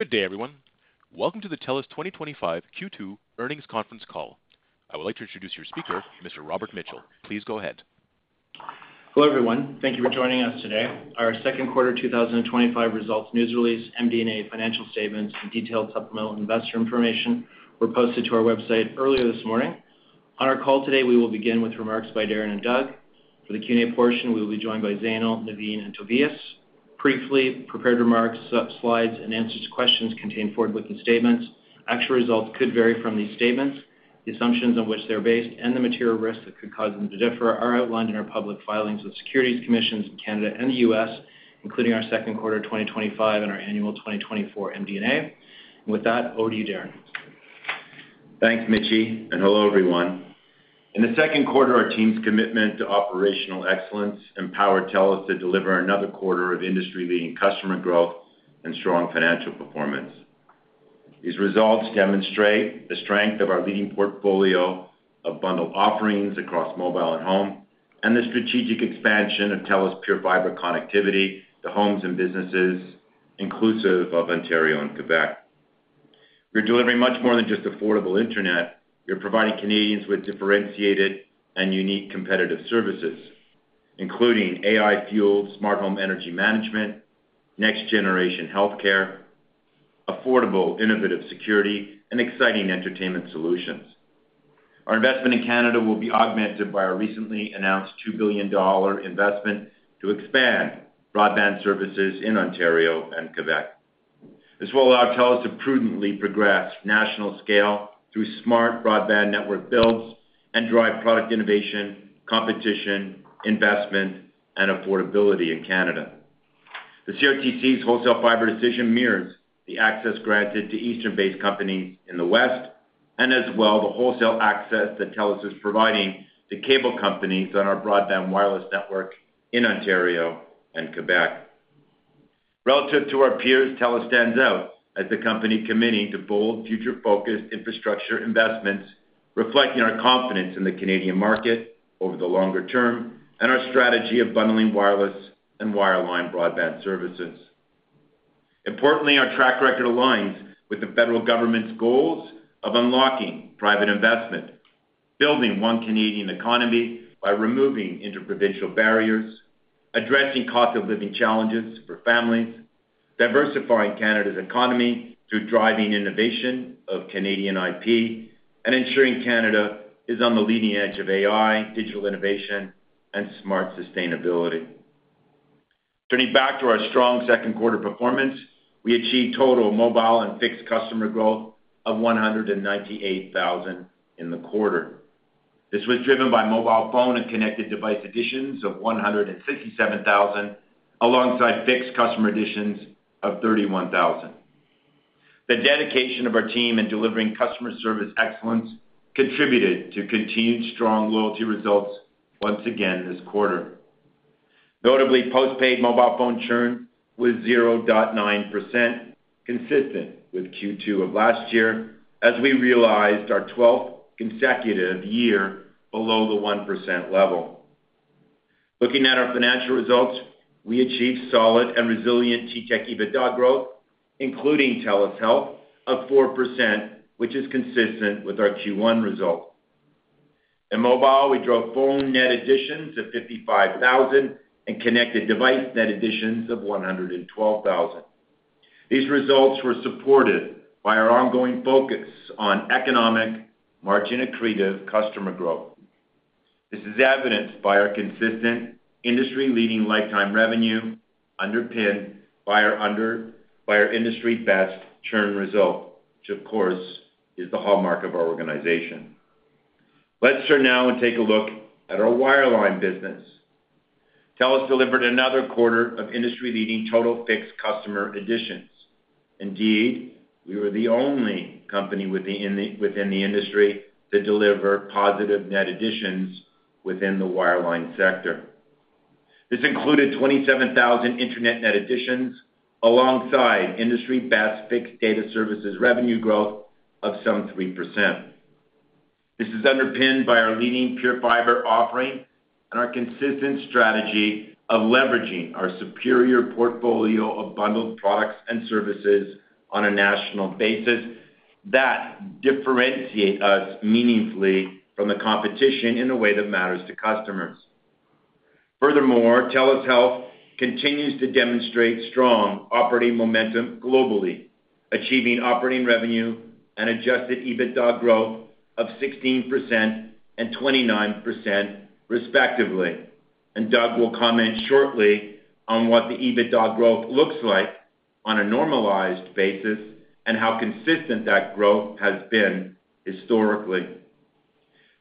Good day everyone. Welcome to the TELUS 2025 Q2 earnings conference call. I would like to introduce your speaker, Mr. Robert Mitchell. Please go ahead. Hello everyone. Thank you for joining us today. Our second quarter 2025 results, news release, MD&A, financial statements, and detailed supplemental investor information were posted to our website earlier this morning on our call today, we will begin with remarks by Darren and Doug. The Q and A portion, we will be joined by Zainul, Navin and Tobias. Briefly, prepared remarks, slides, and answers to questions contain forward-looking statements. Actual results could vary from these statements. The assumptions on which they're based the material risks that could cause them to differ are outlined in our public filings with securities commissions in Canada and U.S., including our second quarter 2025 our annual 2024 MDA. With that, over to you Darren. Thanks Mitchell and hello everyone. In the second quarter, our team's commitment to operational excellence empowered TELUS to deliver another quarter of industry-leading customer growth and strong financial performance. These results demonstrate the strength of our leading portfolio of bundled offerings across mobile and home and the strategic expansion of TELUS PureFibre connectivity to homes and businesses inclusive of Ontario and Quebec. We're delivering much more than just affordable Internet. We're providing Canadians with differentiated and unique competitive services including AI-enabled smart home energy management, next generation health care, affordable innovative security, and exciting entertainment solutions. Our investment in Canada will be augmented by our recently announced $2 billion investment to expand broadband services in Ontario and Quebec. This will allow TELUS to prudently progress national scale through smart broadband network builds and drive product innovation, competition, investment, and affordability in Canada. The CRTC's wholesale fiber decision mirrors the access granted to eastern-based companies in the west and as well the wholesale access that TELUS is providing to cable companies on our broadband wireless network in Ontario and Quebec. Relative to our peers, TELUS stands out as the company committing to bold, future-focused infrastructure investments, reflecting our confidence in the Canadian market over the longer term and our strategy of bundling wireless and wireline broadband services. Importantly, our track record aligns with the Federal Government's goals of unlocking private investment, building one Canadian economy by removing interprovincial barriers, addressing cost of living challenges for families, diversifying Canada's economy through driving innovation of Canadian IP, and ensuring Canada is on the leading edge of AI, digital innovation, and smart sustainability. Turning back to our strong second quarter performance, we achieved total mobile and fixed customer growth of 198,000 in the quarter. This was driven by mobile phone and connected device additions of 167,000 alongside fixed customer additions of 31,000. The dedication of our team in delivering customer service excellence contributed to continued strong loyalty results once again this quarter. Notably, postpaid mobile phone churn was 0.9%, consistent with Q2 of last year as we realized our 12th consecutive year below the 1% level. Looking at our financial results, we achieved solid and resilient TTEC EBITDA growth including TELUS Health of 4%, which is consistent with our Q1 result. In mobile, we drove phone net additions of 55,000 and connected device net additions of 112,000. These results were supported by our ongoing focus on economic margin accretive customer growth. This is evidenced by our consistent industry-leading lifetime revenue underpinned by our industry-best churn result, which of course is the hallmark of our organization. Let's turn now and take a look at our wireline business. TELUS delivered another quarter of industry-leading total fixed customer additions. Indeed, we were the only company within the industry to deliver positive net additions within the wireline sector. This included 27,000 internet net additions alongside industry-best fixed data services revenue growth of some 3%. This is underpinned by our leading PureFibre offering and our consistent strategy of leveraging our superior portfolio of bundled products and services on a national basis that differentiate us meaningfully from the competition in a way that matters to customers. Furthermore, TELUS Health continues to demonstrate strong operating momentum, globally achieving operating revenue and adjusted EBITDA growth of 16% and 29%, respectively. Doug will comment shortly on what the EBITDA growth looks like on a normalized basis and how consistent that growth has been historically.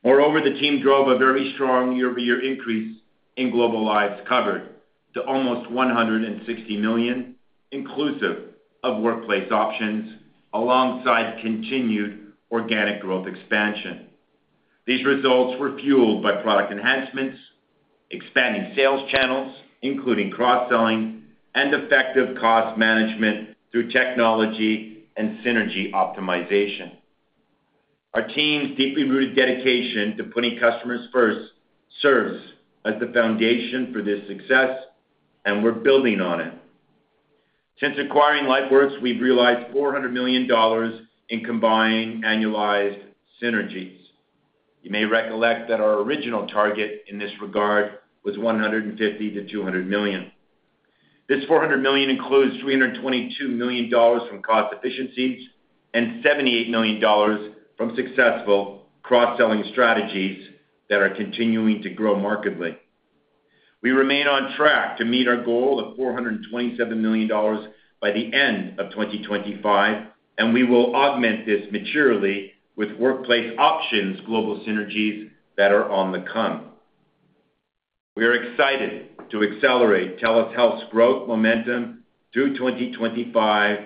Moreover, the team drove a very strong year-over-year increase in global lives covered to almost 160 million, inclusive of Workplace Options, alongside continued organic growth expansion. These results were fueled by product enhancements, expanding sales channels including cross-selling, and effective cost management through technology and synergy optimization. Our team's deeply rooted dedication to putting customers first serves as the foundation for this success and we're building on it. Since acquiring LifeWorks, we've realized $400 million in combined annualized synergies. You may recollect that our original target in this regard was $150 million to $200 million. This $400 million includes $322 million from cost efficiencies and $78 million from successful cross-selling strategies that are continuing to grow markedly. We remain on track to meet our goal of $427 million by the end of 2025, and we will augment this materially with Workplace Options global synergies that are on the come. We are excited to accelerate TELUS Health's growth momentum through 2025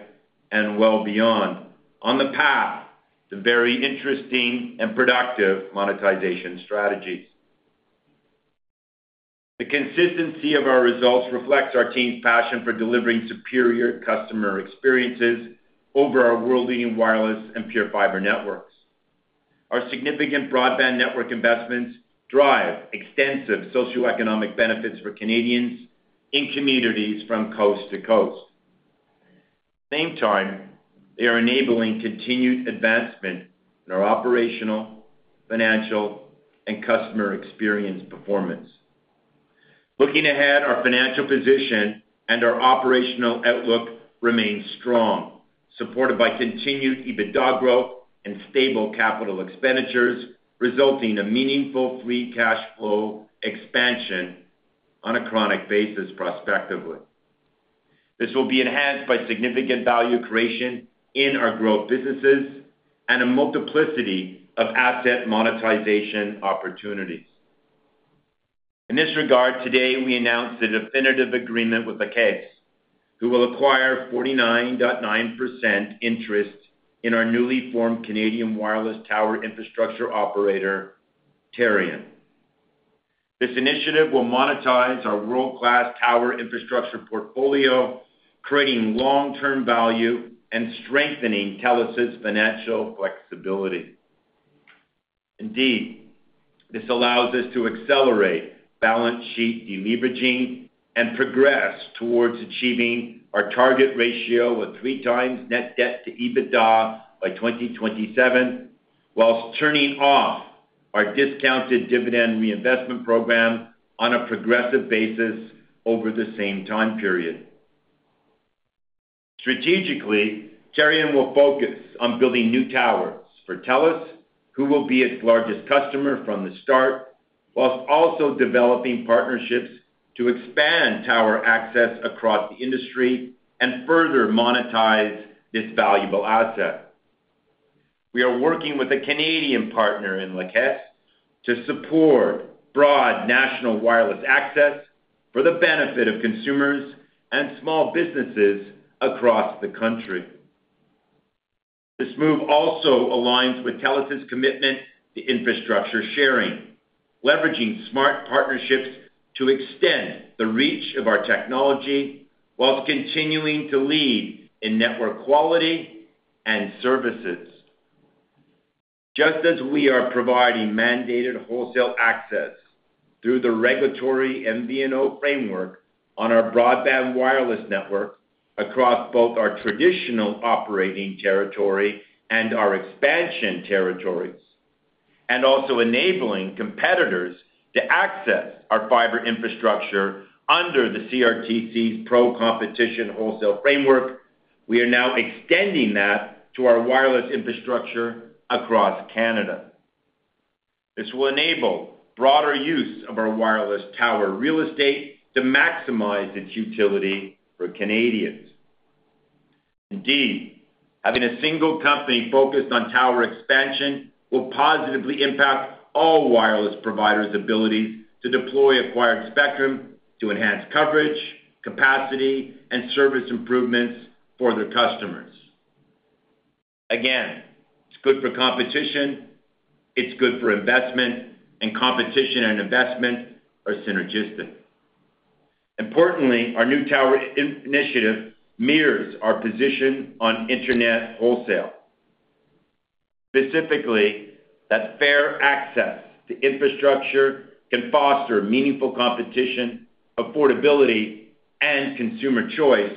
and well beyond on the path to very interesting and productive monetization strategies. The consistency of our results reflects our team's passion for delivering superior customer experiences over our world-leading wireless and PureFibre networks. Our significant broadband network investments drive extensive socioeconomic benefits for Canadians in communities from coast to coast. At the same time, they are enabling continued advancement in our operational, financial, and customer experience performance. Looking ahead, our financial position and our operational outlook remain strong, supported by continued EBITDA growth and stable capital expenditures resulting in meaningful free cash flow expansion on a chronic basis. Prospectively, this will be enhanced by significant value creation in our growth businesses and a multiplicity of asset monetization opportunities. In this regard, today we announced a definitive agreement with CDPQ, who will acquire a 49.9% interest in our newly formed Canadian wireless tower infrastructure operator, Terrion. This initiative will monetize our world-class tower infrastructure portfolio, creating long-term value and strengthening TELUS financial flexibility. Indeed, this allows us to accelerate balance sheet deleveraging and progress towards achieving our target ratio of 3x net debt to EBITDA by 2027, whilst turning off our discounted dividend reinvestment program on a progressive basis over the same time period. Strategically, Terrion will focus on building new towers for TELUS, who will be its largest customer from the start, whilst also developing partnerships to expand tower access across the industry and further monetize this valuable asset. We are working with a Canadian partner in Lakesh to support broad national wireless access for the benefit of consumers and small businesses across the country. This move also aligns with TELUS commitment to infrastructure sharing, leveraging smart partnerships to extend the reach of our technology whilst continuing to lead in network quality and services. Just as we are providing mandated wholesale access through the regulatory MVNO framework on our broadband wireless network across both our traditional operating territory and our expansion territories, and also enabling competitors to access our fiber infrastructure under the CRTC's pro competition wholesale framework, we are now extending that to our wireless infrastructure across Canada. This will enable broader use of our wireless tower real estate to maximize its utility for Canadians. Indeed, having a single company focused on tower expansion will positively impact all wireless providers' ability to deploy acquired spectrum to enhance coverage, capacity, and service improvements for their customers. Again, good for competition, it's good for investment, and competition and investment are synergistic. Importantly, our new tower initiative mirrors our position on Internet wholesale, specifically that fair access to infrastructure can foster meaningful competition, affordability, and consumer choice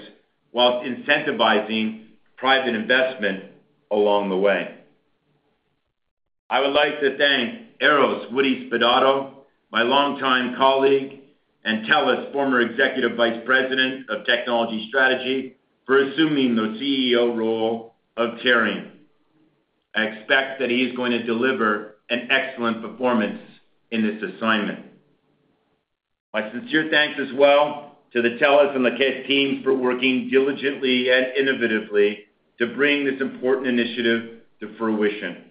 whilst incentivizing private investment along the way. I would like to thank Eros Woody Spadotto, my longtime colleague and TELUS former Executive Vice President of Technology Strategy, for assuming the CEO role of Terrion. I expect that he is going to deliver an excellent performance in this assignment. My sincere thanks as well to the TELUS and CDPQ teams for working diligently and innovatively to bring this important initiative to fruition.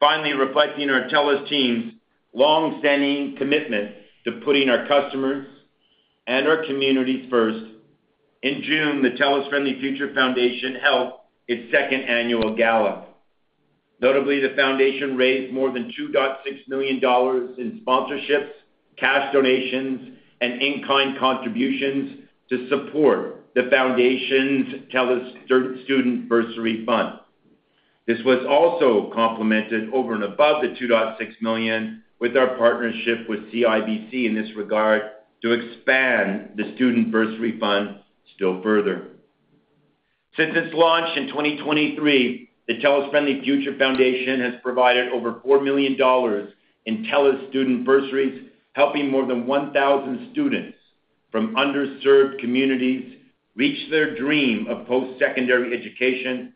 Finally, reflecting our TELUS team's longstanding commitment to putting our customers and our communities first, in June the TELUS Friendly Future Foundation held its second annual gala. Notably, the Foundation raised more than $2.6 million in sponsorships, cash donations, and in-kind contributions to support the Foundation's TELUS Student Bursary Fund. This was also complemented over and above the $2.6 million with our partnership with CIBC in this regard to expand the Student Bursary Fund still further. Since its launch in 2023, the TELUS Friendly Future Foundation has provided over $4 million in TELUS student bursaries, helping more than 1,000 students from underserved communities reach their dream of post-secondary education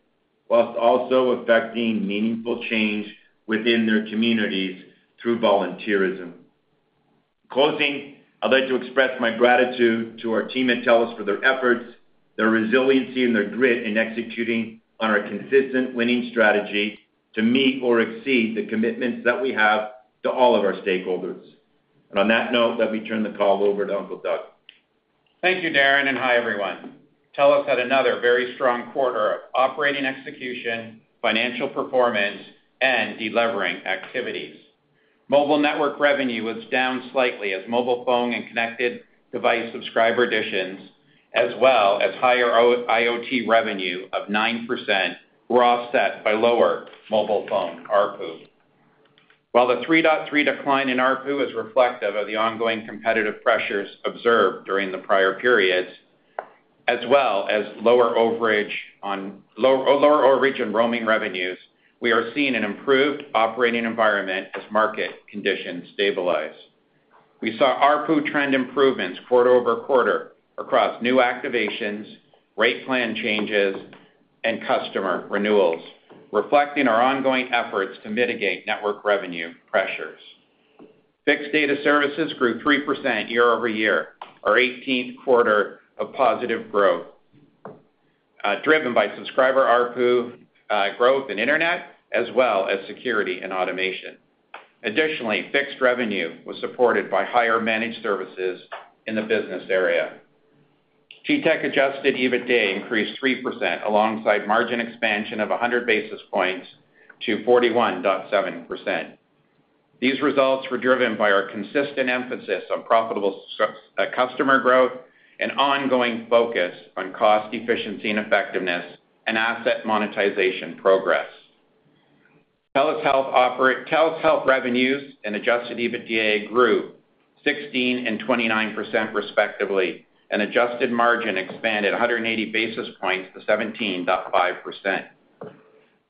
whilst also affecting meaningful change within their communities through volunteerism. Closing, I'd like to express my gratitude to our team at TELUS for their efforts, their resiliency, and their grit in executing on our consistent winning strategy to meet or exceed the commitments that we have to all of our stakeholders. On that note, let me turn the call over to Doug. Thank you Darren and hi everyone. TELUS had another very strong quarter of operating execution, financial performance, and deleveraging activities. Mobile network revenue was down slightly as mobile phone and connected device subscriber additions as well as higher IoT revenue of 9% were offset by lower mobile phone ARPU. While the 3.3% decline in ARPU is reflective of the ongoing competitive pressures observed during the prior periods as well as lower overage and roaming revenues, we are seeing an improved operating environment as market conditions stabilize. We saw ARPU trend improvements quarter over quarter across new activations, rate plan changes, and customer renewals reflecting our ongoing efforts to mitigate network revenue pressures. Fixed data services grew 3% year-over-year, our 18th quarter of positive growth driven by subscriber ARPU growth in Internet as well as security and automation. Additionally, fixed revenue was supported by higher managed services in the business area. TELUS adjusted EBITDA increased 3% alongside margin expansion of 100 basis points to 41.7%. These results were driven by our consistent emphasis on profitable customer growth and ongoing focus on cost efficiency and effectiveness and asset monetization. Progress Health operates TELUS Health revenues and adjusted EBITDA grew 16% and 29% respectively and adjusted margin expanded 180 basis points to 17.5%.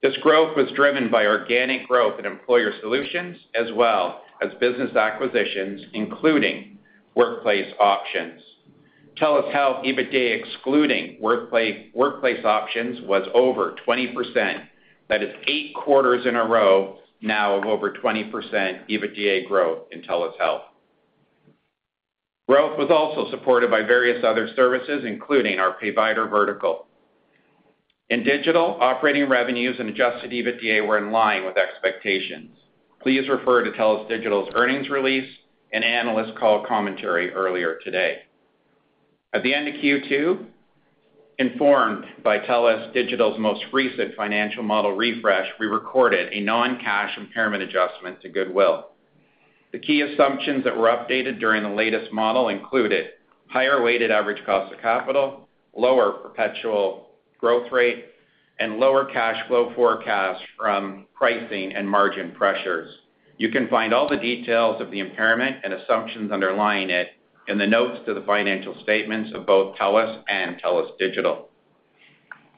This growth was driven by organic growth in employer solutions as well as business acquisitions including Workplace Options. TELUS Health EBITDA excluding Workplace Options was over 20%, that is eight quarters in a row now of over 20%. EBITDA growth in TELUS Health was also supported by various other services including our provider vertical in digital. Operating revenues and adjusted EBITDA were in line with expectations. Please refer to TELUS Digital's earnings release and analyst call commentary earlier today. At the end of Q2, informed by TELUS Digital's most recent financial model refresh, we recorded a non-cash impairment adjustment to goodwill. The key assumptions that were updated during the latest model included higher weighted average cost of capital, lower perpetual growth rate, and lower cash flow forecast from pricing and margin pressures. You can find all the details of the impairment and assumptions underlying it in the notes to the financial statements of both TELUS and TELUS Digital.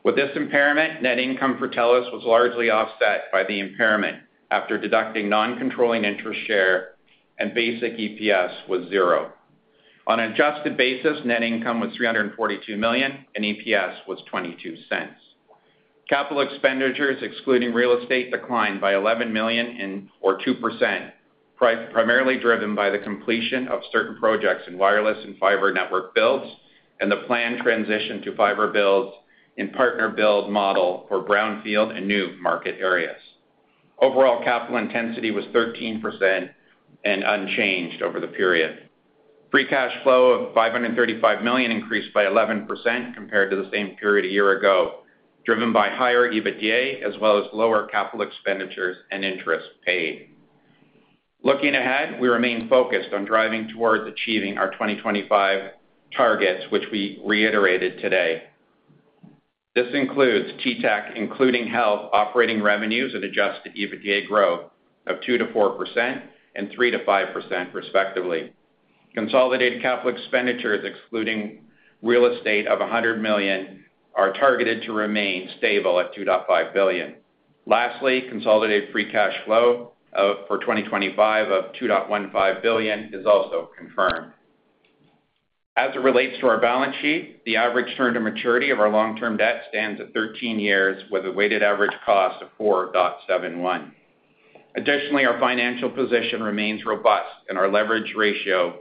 With this impairment, net income for TELUS was largely offset by the impairment after deducting non-controlling interest share, and basic EPS was zero. On an adjusted basis, net income was $342 million and EPS was $0.22. Capital expenditures excluding real estate declined by $11 million or 2%, primarily driven by the completion of certain projects in wireless and fiber network builds and the planned transition to fiber builds and partner build model for brownfield and new market areas. Overall capital intensity was 13% and unchanged over the period. Free cash flow of $535 million increased by 11% compared to the same period a year ago, driven by higher EBITDA as well as lower capital expenditures and interest paid. Looking ahead, we remain focused on driving towards achieving our 2025 targets which we reiterated today. This includes TTEC including health operating revenues and adjusted EBITDA growth of 2%-4% and 3%-5% respectively. Consolidated capital expenditures excluding real estate of $100 million are targeted to remain stable at $2.5 billion. Lastly, consolidated free cash flow for 2025 of $2.15 billion is also confirmed as it relates to our balance sheet. The average term to maturity of our long-term debt stands at 13 years with a weighted average cost of 4.71%. Additionally, our financial position remains robust and our leverage ratio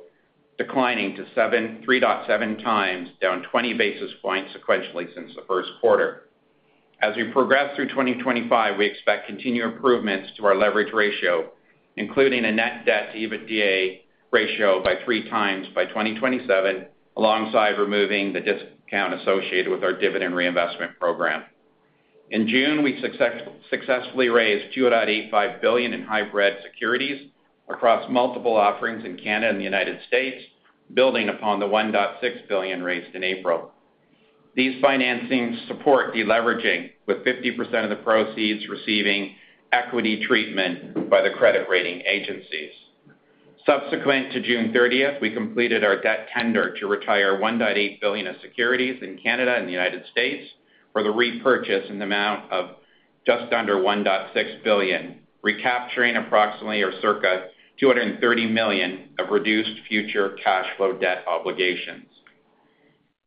declining to 3.7x, down 20 basis points sequentially since the first quarter. As we progress through 2025, we expect continued improvements to our leverage ratio including a net debt to EBITDA ratio by 3 times by 2027, alongside removing the discount associated with our dividend reinvestment program. In June, we successfully raised $2.85 billion in hybrid securities across multiple offerings in Canada and the United States. Building upon the $1.6 billion raised in April, these financings support deleveraging with 50% of the proceeds receiving equity treatment by the credit rating agencies. Subsequent to June 30, we completed our debt tender to retire $1.8 billion of securities in Canada and the United States for the repurchase in the amount of just under $1.6 billion, recapturing approximately or circa $230 million of reduced future cash flow debt obligations.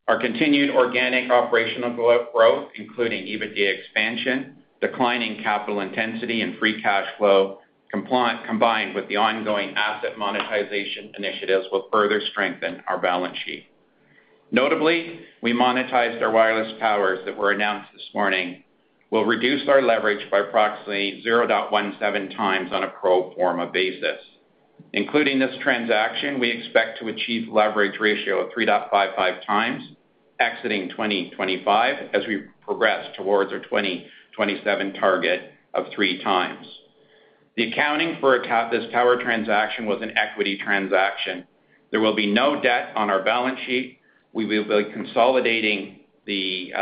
Our continued organic operational growth, including EBITDA expansion, declining capital intensity and free cash flow, combined with the ongoing asset monetization initiatives, will further strengthen our balance sheet. Notably, we monetized our wireless towers that were announced this morning. We'll reduce our leverage by approximately 0.17x on a pro forma basis. Including this transaction, we expect to achieve a leverage ratio of 3.55x exiting 2025. As we progress towards our 2027 target of 3x, the accounting for this tower transaction was an equity transaction. There will be no debt on our balance sheet. We will be consolidating the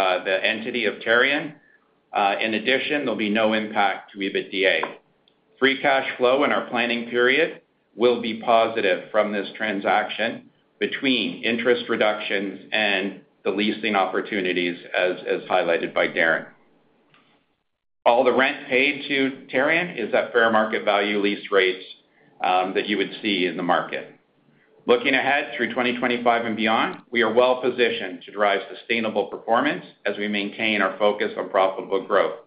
entity of Terrion. In addition, there'll be no impact to EBITDA. Free cash flow in our planning period will be positive from this transaction. We, between interest reductions and the leasing opportunities as highlighted by Darren, all the rent paid to Terrion is at fair market value lease rates that you would see in the market. Looking ahead through 2025 and beyond, we are well positioned to drive sustainable performance as we maintain our focus on profitable growth.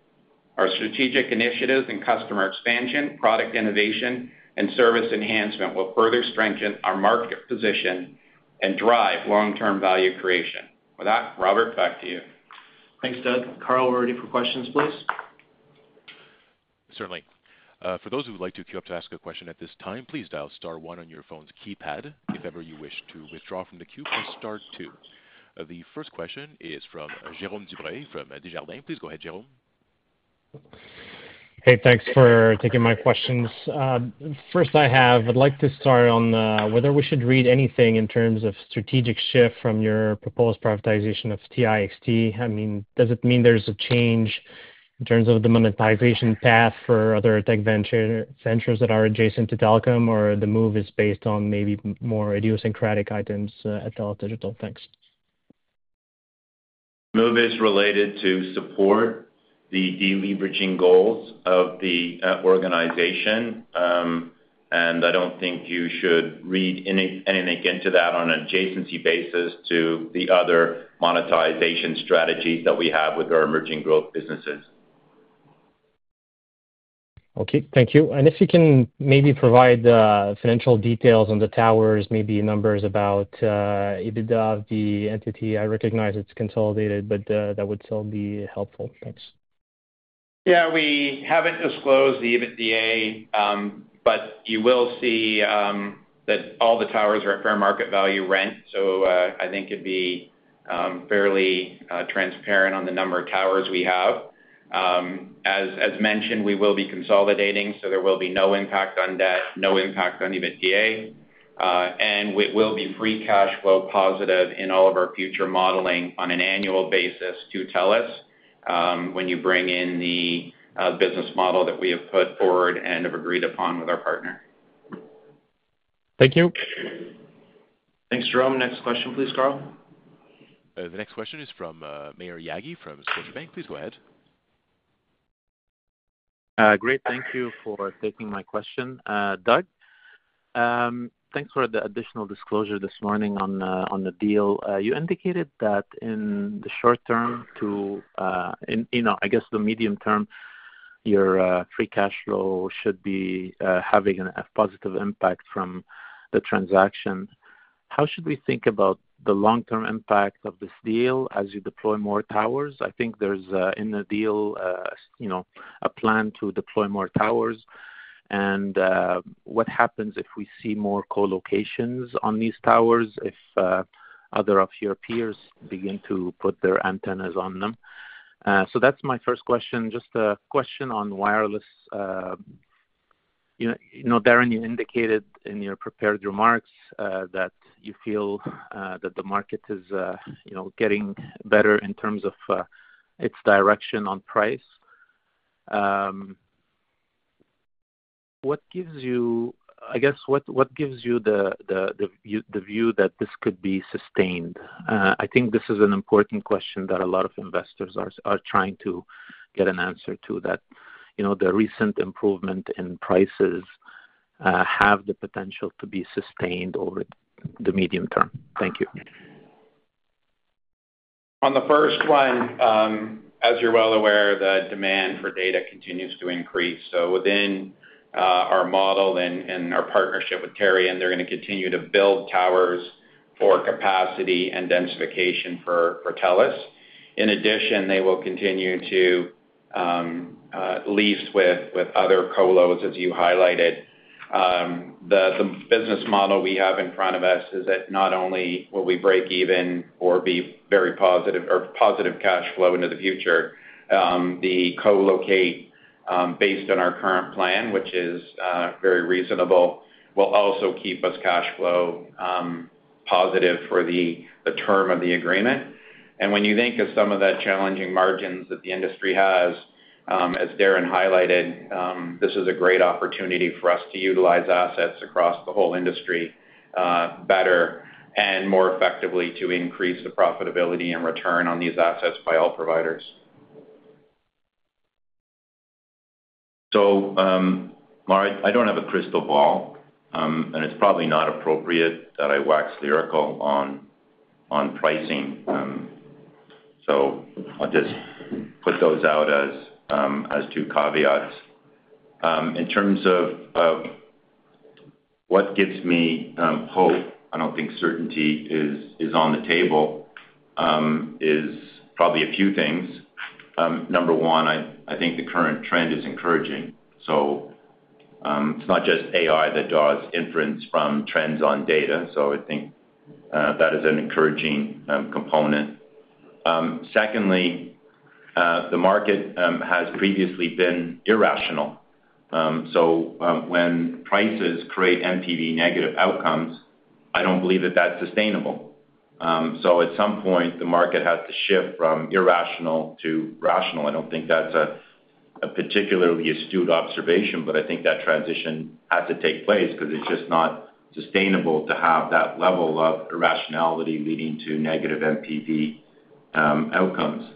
Our strategic initiatives and customer expansion, product innovation and service enhancement will further strengthen our market position and drive long term value creation. With that, Robert, back to you. Thanks. Doug, Karl, we're ready for questions, please. Certainly. For those who would like to queue up to ask a question at this time, please dial star one on your phone's keypad. If ever you wish to withdraw from the queue, press star two. The first question is from Jerome Dubreuil. Please go ahead, Jerome. Hey, thanks for taking my questions. First, I'd like to start on whether we should read anything in terms of strategic shift from your proposed privatization of TIAXT. I mean, does it mean there's a change in terms of the monetization path for other tech ventures that are adjacent to telecom, or the move is based on maybe more idiosyncratic items at TELUS Digital? Thanks. Move is related to support the deleveraging goals of the organization. I don't think you should read anything into that on an adjacency basis to the other monetization strategies that we have with our emerging growth businesses. Thank you. If you can maybe provide financial details on the towers, maybe numbers about EBITDA of the entity, I recognize it's consolidated, that would still be helpful. Thanks. Yeah, we haven't disclosed the EBITDA, but you will see that all the towers are at fair market value rent. I think it'd be fairly transparent on the number of towers we have. As mentioned, we will be consolidating, so there will be no impact on debt, no impact on EBITDA, and we will be free cash flow positive in all of our future modeling on an annual basis to TELUS when you bring in the business model that we have put forward and have agreed upon with our partner. Thank you. Thanks, Jerome.Next question, please. Carl, The next question is from Maher Yaghi from Scotiabank. Please go ahead. Great. Thank you for taking my question. Doug, thanks for the additional disclosure this morning on the deal. You indicated that in the short term, I guess the medium term, your free cash flow should be having a positive impact from the transaction. How should we think about the long term impact of this deal as you deploy more towers? I think there's in the deal a plan to deploy more towers. What happens if we see more collocations on these towers if other of your peers begin to put their antennas on them? That's my first question, just a question. On wireless, Darren, you indicated in your prepared remarks that you feel that the market is getting better in terms of its direction on price. What gives you, I guess what gives you the view that this could be sustained? I think this is an important question that a lot of investors are trying to get an answer that the recent improvement in prices have the potential to be sustained over the medium term. Thank you. On the first one, as you're well aware, the demand for data continues to increase. Within our model and our partnership with Terrion, they're going to continue to build towers for capacity and densification for TELUS. In addition, they will continue to lease with other colos. As you highlighted, the business model we have in front of us is that not only will we break even or be very positive cash flow into the future, the co-locate based on our current plan, which is very reasonable, will also keep us cash flow positive for the term of the agreement. When you think of some of that challenging margins that the industry has, as Darren highlighted, this is a great opportunity for us to utilize assets across the whole industry better and more effectively to increase the profitability and return on these assets by all providers. Maher, I don't have a crystal ball and it's probably not appropriate that I wax lyrical on pricing. I'll just put those out as two caveats in terms of what gives me hope. I don't think certainty is on the table. There are probably a few things. Number one, I think the current trend is encouraging. It's not just AI that draws inference from trends on data. I think that is an encouraging component. Secondly, the market has previously been irrational. When prices create NPV negative outcomes, I don't believe that that's sustainable. At some point the market has to shift from irrational to rational. I don't think that's a particularly astute observation, but I think that transition has to take place because it's just not sustainable to have that level of irrationality leading to negative NPV outcomes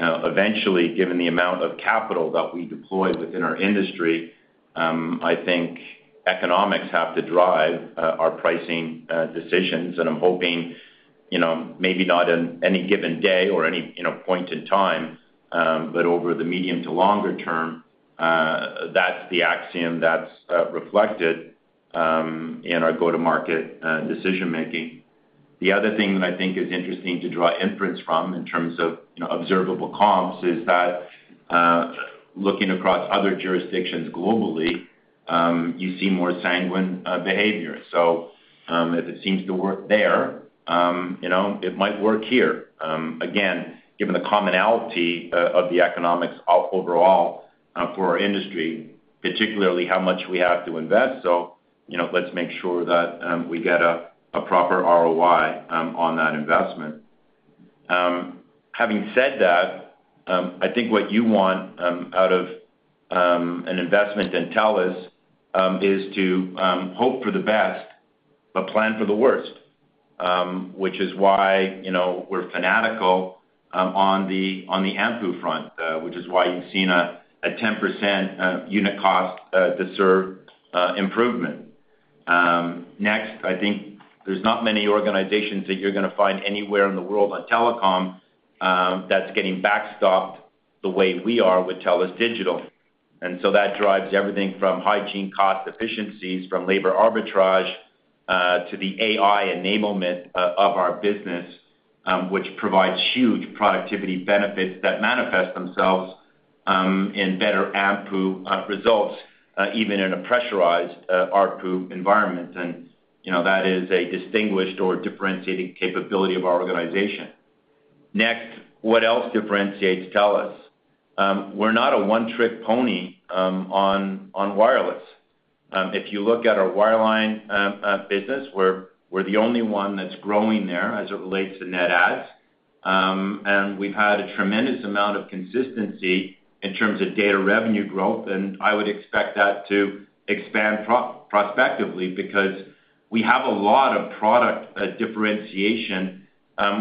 eventually. Given the amount of capital that we deploy within our industry, I think economics have to drive our pricing decisions and I'm hoping maybe not in any given day or any point in time, but over the medium to longer term. That's the axiom that's reflected in our go-to-market decision making. The other thing that I think is interesting to draw inference from in terms of observable comps is that looking across other jurisdictions globally, you see more sanguine behavior. If it seems to work there, it might work here. Again, given the commonality of the economics overall for our industry, particularly how much we have to invest. Let's make sure that we get a proper ROI on that investment. Having said that, I think what you want out of an investment in TELUS is to hope for the best but plan for the worst, which is why we're fanatical on the AMPU front, which is why you've seen a 10% unit cost improvement. Next, I think there's not many organizations that you're going to find anywhere in the world on telecom that's getting backstopped the way we are with TELUS Digital. That drives everything from hygiene cost efficiencies, from labor arbitrage to the AI enablement of our business, which provides huge productivity benefits that manifest themselves in better AMPU results, even in a pressurized ARPU environment. That is a distinguished or differentiated capability of our organization. Next, what else differentiates TELUS? We're not a one trick pony on wireless. If you look at our wireline business, we're the only one that's growing there as it relates to net adds. We have had a tremendous amount of consistency in terms of data revenue growth. I would expect that to expand prospectively because we have a lot of product differentiation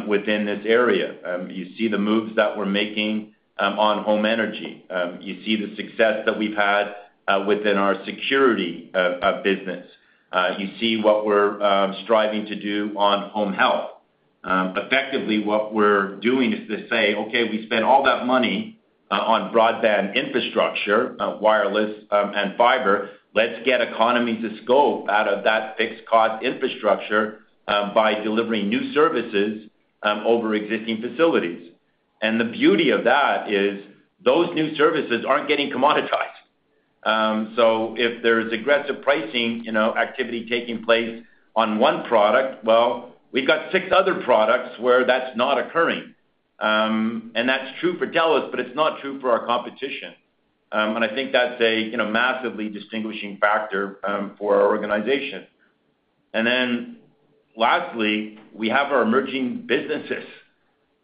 within this area. You see the moves that we're making on home energy, you see the success that we've had within our security business, and you see what we're striving to do on home health. Effectively, what we're doing is to say, okay, we spent all that money on broadband infrastructure, wireless and fiber. Let's get economies of scope out of that fixed cost infrastructure by delivering new services over existing facilities. The beauty of that is those new services aren't getting commoditized. If there's aggressive pricing activity taking place on one product, we've got six other products where that's not occurring. That is true for TELUS, but it's not true for our competition. I think that's a massively distinguishing factor for our organization. Lastly, we have our emerging businesses.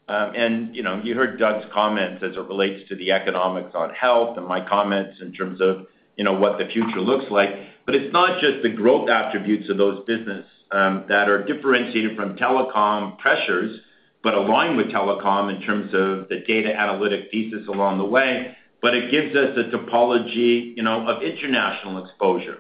You heard Doug's comments as it relates to the economics on health and my comments in terms of what the future looks like. It's not just the growth attributes of those businesses that are differentiated from telecom pressures, but aligned with telecom in terms of the data analytic thesis along the way. It gives us a topology of international exposure.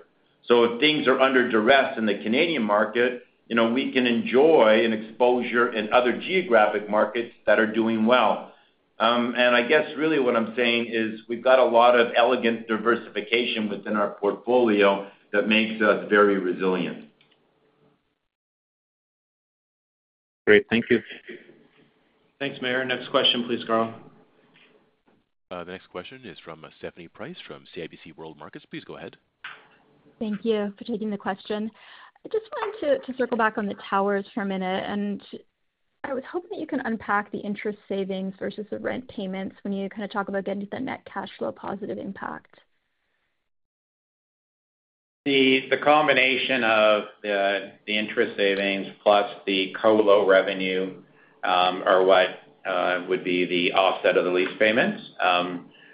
If things are under duress in the Canadian market, we can enjoy an exposure in other geographic markets that are doing well. I guess really what I'm saying is we've got a lot of elegant diversification within our portfolio that makes us very resilient. Great, thank you. Thanks Maher. Next question, please. Carl. The next question is from Stephanie Price from CIBC World Markets. Please go ahead. Thank you for taking the question. I just wanted to circle back on the towers for a minute, and I was hoping that you can unpack the interest savings versus the rent payments. When you kind of talk about getting the net cash flow positive impact. The combination of the interest savings plus the colo revenue are what would be offset of the lease payments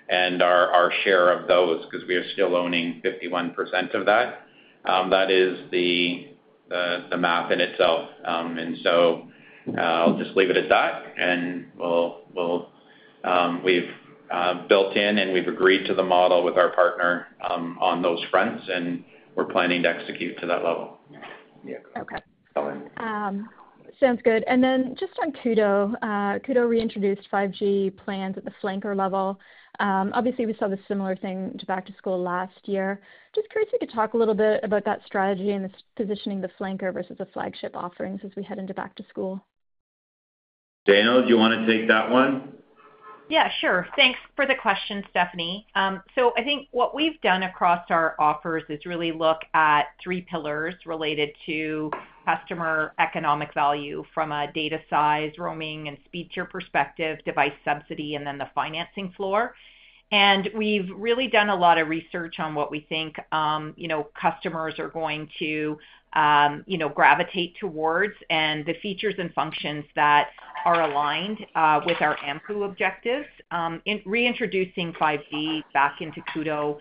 and our share of those because we are still owning 51% of that. That is the math in itself. I'll just leave it at that and we built in and we've agreed to the model with our partner on those fronts, and we're planning to execute to that level. Sounds good. Then just on Koodo, Koodo reintroduced 5G plans at the flanker level. Obviously, we saw the similar thing to Back to School last year. Just curious if you could talk a little bit about that strategy and positioning the flanker versus the flagship offerings as we head into Back to School. Daniel, do you want to take that one? Yeah, sure. Thanks for the question, Stephanie. I think what we've done across our offers is really look at three pillars related to customer economic value from a data size, roaming and speed tier perspective, device subsidy, and then the financing floor. We've really done a lot of research on what we think customers are going to gravitate towards and the features and functions that are aligned with our ARPU objectives. Reintroducing 5G back into Koodo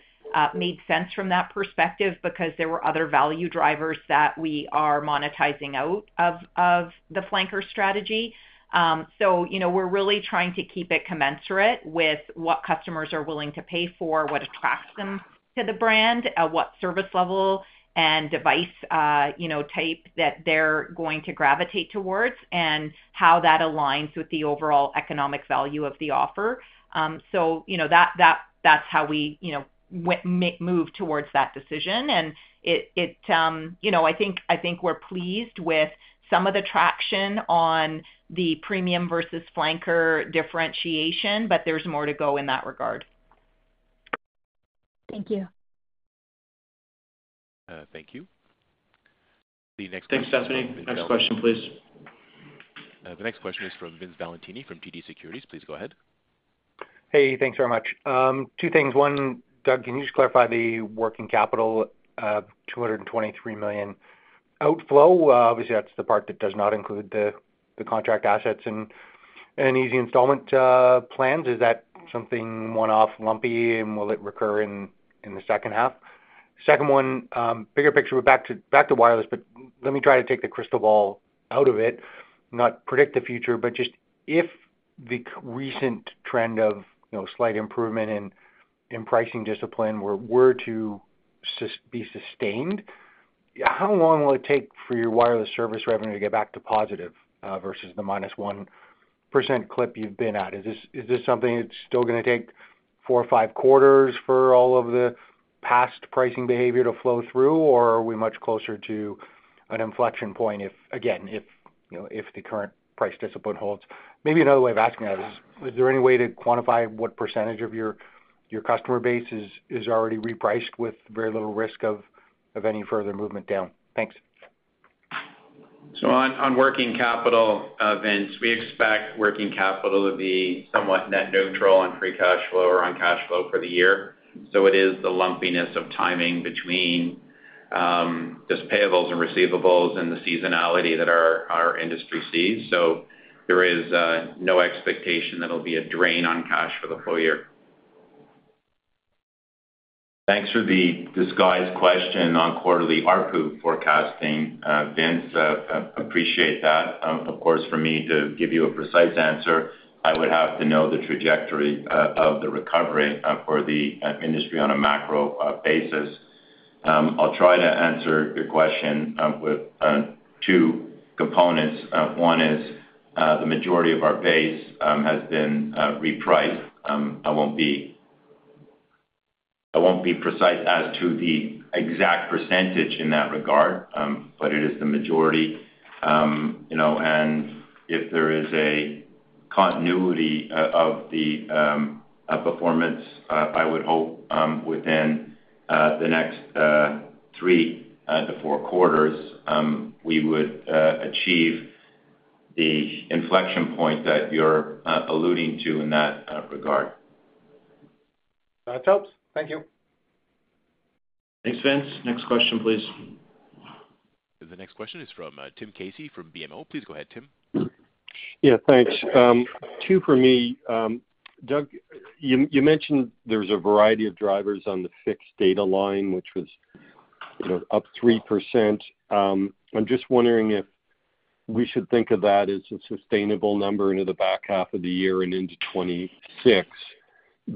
made sense from that perspective because there were other value drivers that we are monetizing out of the flanker strategy. We are really trying to keep it commensurate with what customers are willing to pay for, what attracts them to the brand, what service level and device type they're going to gravitate towards, and how that aligns with the overall economic value of the offer. That's how we move towards that decision. I think we're pleased with some of the traction on the premium versus flanker differentiation, but there's more to go in that regard. Thank you. The next question is from Vince Valentini from TD Securities. Please go ahead. Hey, thanks very much. Two things. One, Doug, can you just clarify the working capital $223 million outflow? Obviously that's the part that does not include the contract assets and easy installment plans. Is that something one off, lumpy, and will it recur in the second half? Second one, bigger picture. Back to wireless. Let me try to take the crystal ball out of it. Not predict the future, but just if the recent trend of slight improvement in pricing discipline were to be sustained, how long will it take for your wireless service revenue to get back to positive versus the -1% clip you've been at? Is this something that's still going to take four or five quarters for all of the past pricing behavior to flow through? Are we much closer to an inflection point if, again, if the current price discipline holds? Maybe another way of asking that is, is there any way to quantify what percentage of your customer base is already repriced with very little risk of any further movement down. Thanks. On working capital, Vince, we expect working capital to be somewhat net neutral on free cash flow or on cash flow for the year. It is the lumpiness of timing between just payables and receivables and the seasonality that our industry sees. There is no expectation that it will be a drain on cash for the full year. Thanks for the disguised question on quarterly ARPU forecasting, Vince. Appreciate that. Of course, for me to give you a precise answer I would have to know the trajectory of the recovery for the industry on a macro basis. I'll try to answer your question with two components. One is the majority of our base has been repriced. I won't be precise as to the exact % in that regard, but it is the majority, you know, and if there is a continuity of the performance, I would hope within the next three to four quarters we would achieve the inflection point that you're alluding to in that regard. That helps. Thank you. Thanks Vince. Next question, please. The next question is from Tim Casey from BMO, please. Go ahead, Tim. Yeah, thanks. Two for me. Doug, you mentioned there's a variety of drivers on the fixed data line, which was up 3%. I'm just wondering if we should think of that as a sustainable number into the back half of the year and into 2026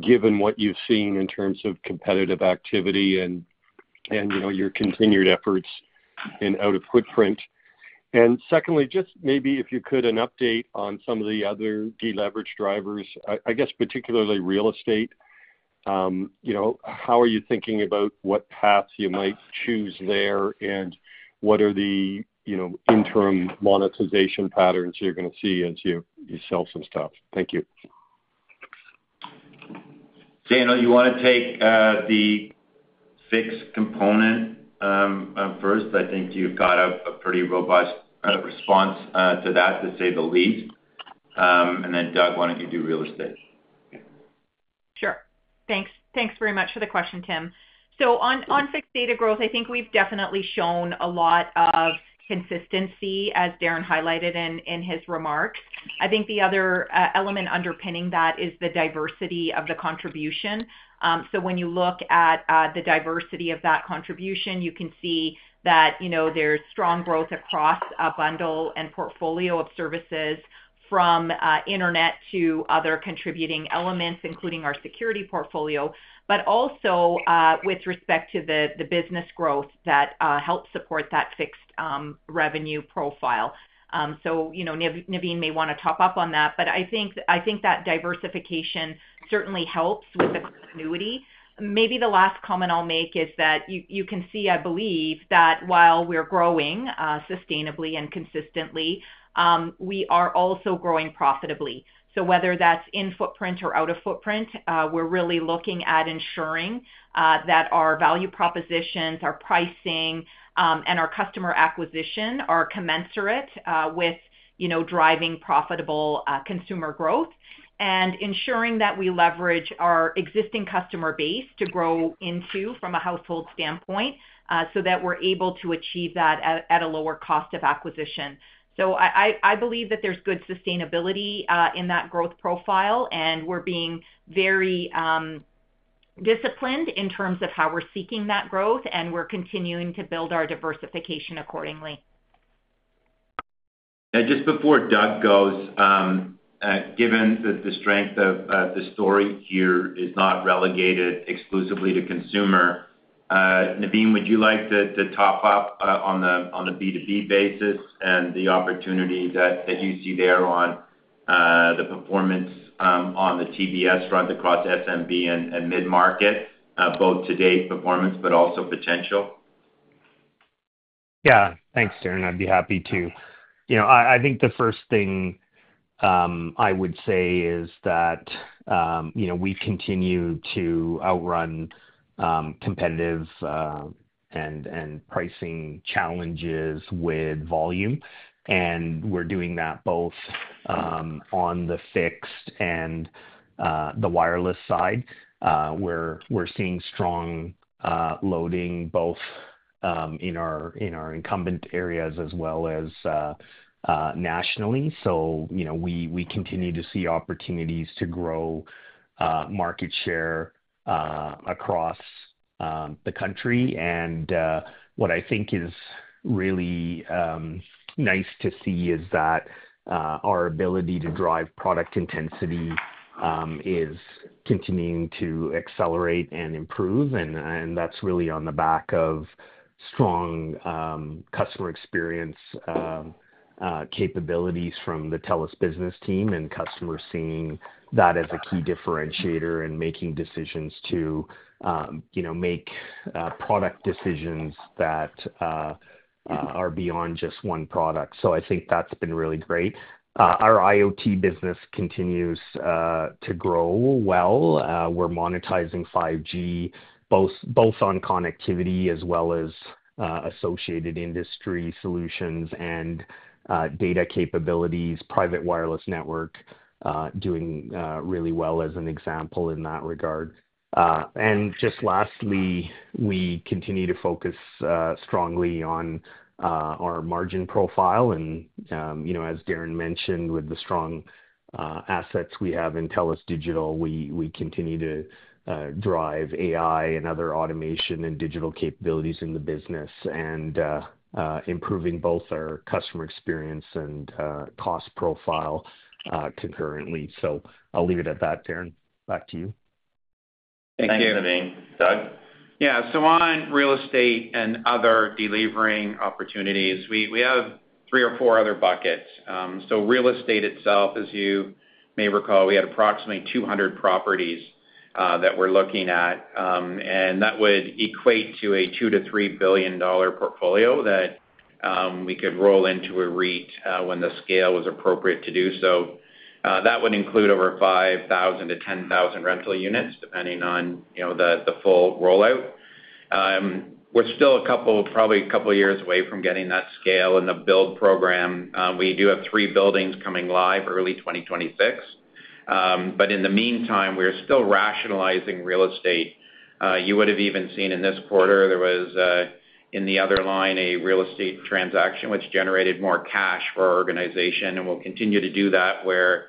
given what you've seen in terms of competitive activity and your continued efforts and out of footprint. Secondly, just maybe if you could, an update on some of the other deleveraging drivers, I guess, particularly real estate. How are you thinking about what path you might choose there and what are the, you know, interim monetization patterns you're going to see as you sell some stuff. Thank you. Daniel, you want to take the fixed component first? I think you've got a pretty robust response to that, to say the least. Then Doug, why don't you do real estate? Sure. Thanks very much for the question, Tim. On fixed data growth, I think we've definitely shown a lot of consistency as Darren highlighted in his remarks. The other element underpinning that is the diversity of the contribution. When you look at the diversity of that contribution, you can see that there's strong growth across a bundle and portfolio of services from Internet to other contributing elements, including our security portfolio, but also with respect to the business growth that helps support that fixed revenue profile. Naveen may want to top up on that, but I think that diversification certainly helps with the continuity. Maybe the last comment I'll make is that you can see, I believe that while we're growing sustainably and consistently, we are also growing profitably. Whether that's in footprint or out of footprint, we're really looking at ensuring that our value propositions, our pricing, and our customer acquisition are commensurate with driving profitable consumer growth and ensuring that we leverage our existing customer base to grow into from a household standpoint so that we're able to achieve that at a lower cost of acquisition. I believe that there's good sustainability in that growth profile and we're being very disciplined in terms of how we're seeking that growth and we're continuing to build our diversification accordingly. Just before Doug goes, given that the strength of the story here is not relegated exclusively to consumer, Navin, would you like to top up on a B2B basis and the opportunity that you see there on the performance on the TBS front across SMB and mid market, both to date performance but also potential? Yeah, thanks Darren. I'd be happy to. I think the first thing I would say is that we continue to outrun competitive and pricing challenges with volume, and we're doing that both on the fixed and the wireless side. We're seeing strong loading both in our incumbent areas as well as nationally. We continue to see opportunities to grow market share across the country. What I think is really nice to see is that our ability to drive product intensity is continuing to accelerate and improve, and that's really on the back of strong customer experience capabilities from the TELUS business team and customers seeing that as a key differentiator and making decisions to make product decisions that are beyond just one product. I think that's been really great. Our IoT business continues to grow. We're monetizing 5G both on connectivity as well as associated industry solutions and data capabilities. Private wireless network doing really well as an example in that regard. Lastly, we continue to focus strongly on our margin profile. As Darren mentioned, with the strong assets we have in TELUS Digital, we continue to drive AI and other automation and digital capabilities in the business and improving both our customer experience and cost profile concurrently. I'll leave it at that. Darren, back to you. Thank you, Navin. Doug? Yeah, so on real estate and other deleveraging opportunities, we have three or four other buckets. Real estate itself, as you may recall, we had approximately 200 properties that we're looking at, and that would equate to a $2 billion-$3 billion portfolio that we could roll into a REIT when the scale was appropriate to do so. That would include over 5,000 to 10,000 rental units depending on the full rollout. We're still probably a couple years away from getting that scale in the build program. We do have three buildings coming live early 2026, but in the meantime, we're still rationalizing real estate. You would have even seen in this quarter there was, in the other line, a real estate transaction which generated more cash for our organization. We'll continue to do that where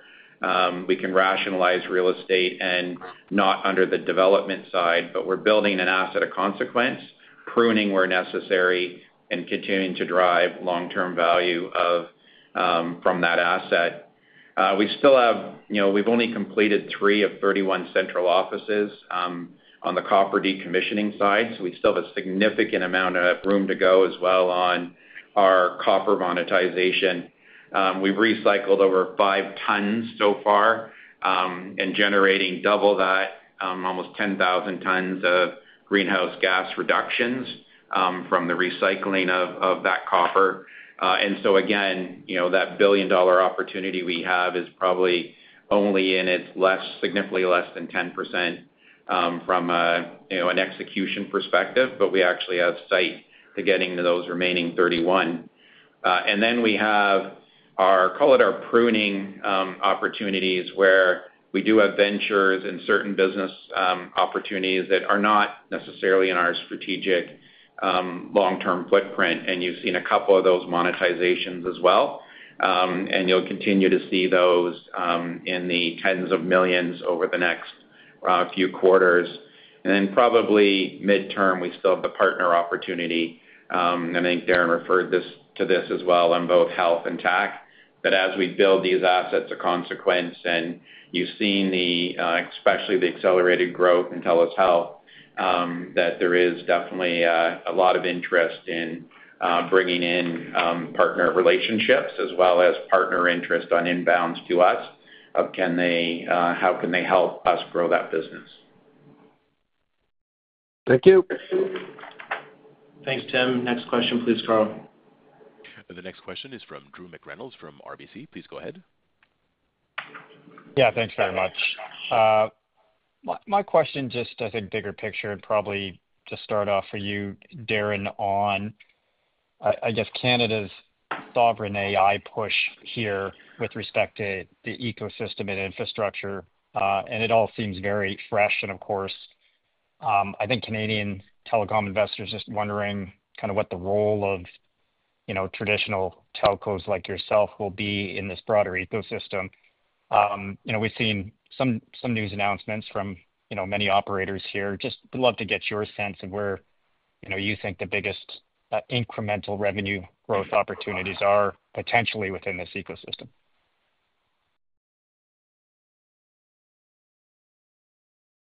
we can rationalize real estate and not under the development side, but we're building an asset of consequence, pruning where necessary, and continuing to drive long-term value from that asset. We still have, you know, we've only completed three of 31 central offices on the copper decommissioning side. We still have a significant amount of room to go as well on our copper monetization. We've recycled over 5 tons so far and generated double that, almost 10,000 tons of greenhouse gas reductions from the recycling of that copper. Again, that $1 billion opportunity we have is probably only in its less, significantly less than 10% from an execution perspective. We actually have sight to getting to those remaining 31. Then we have our, call it, our pruning opportunities where we do have ventures and certain business opportunities that are not necessarily in our strategic long-term footprint. You've seen a couple of those monetizations as well, and you'll continue to see those in the tens of millions over the next few quarters. Probably midterm, we still have the partner opportunity. I think Darren referred to this as well on both health and TAC, that as we build these assets of consequence, and you've seen especially the accelerated growth in TELUS Health, that there is definitely a lot of interest in bringing in partner relationships as well as partner interest on inbounds to us. How can they help us grow that business? Thank you. Thanks, Tim. Next question, please. The next question is from Drew McReynolds from RBC. Please go ahead. Yeah, thanks very much. My question, just I think bigger picture and probably to start off for you, Darren, on I guess Canada's sovereign AI push here with respect to the ecosystem and infrastructure. It all seems very fresh, and of course I think Canadian Telecom investors are just wondering kind of what the role of, you know, traditional telcos like yourself will be in this broader ecosystem. We've seen some news announcements from many operators here. Just love to get your sense of where you think the biggest incremental revenue growth opportunities are potentially within this ecosystem.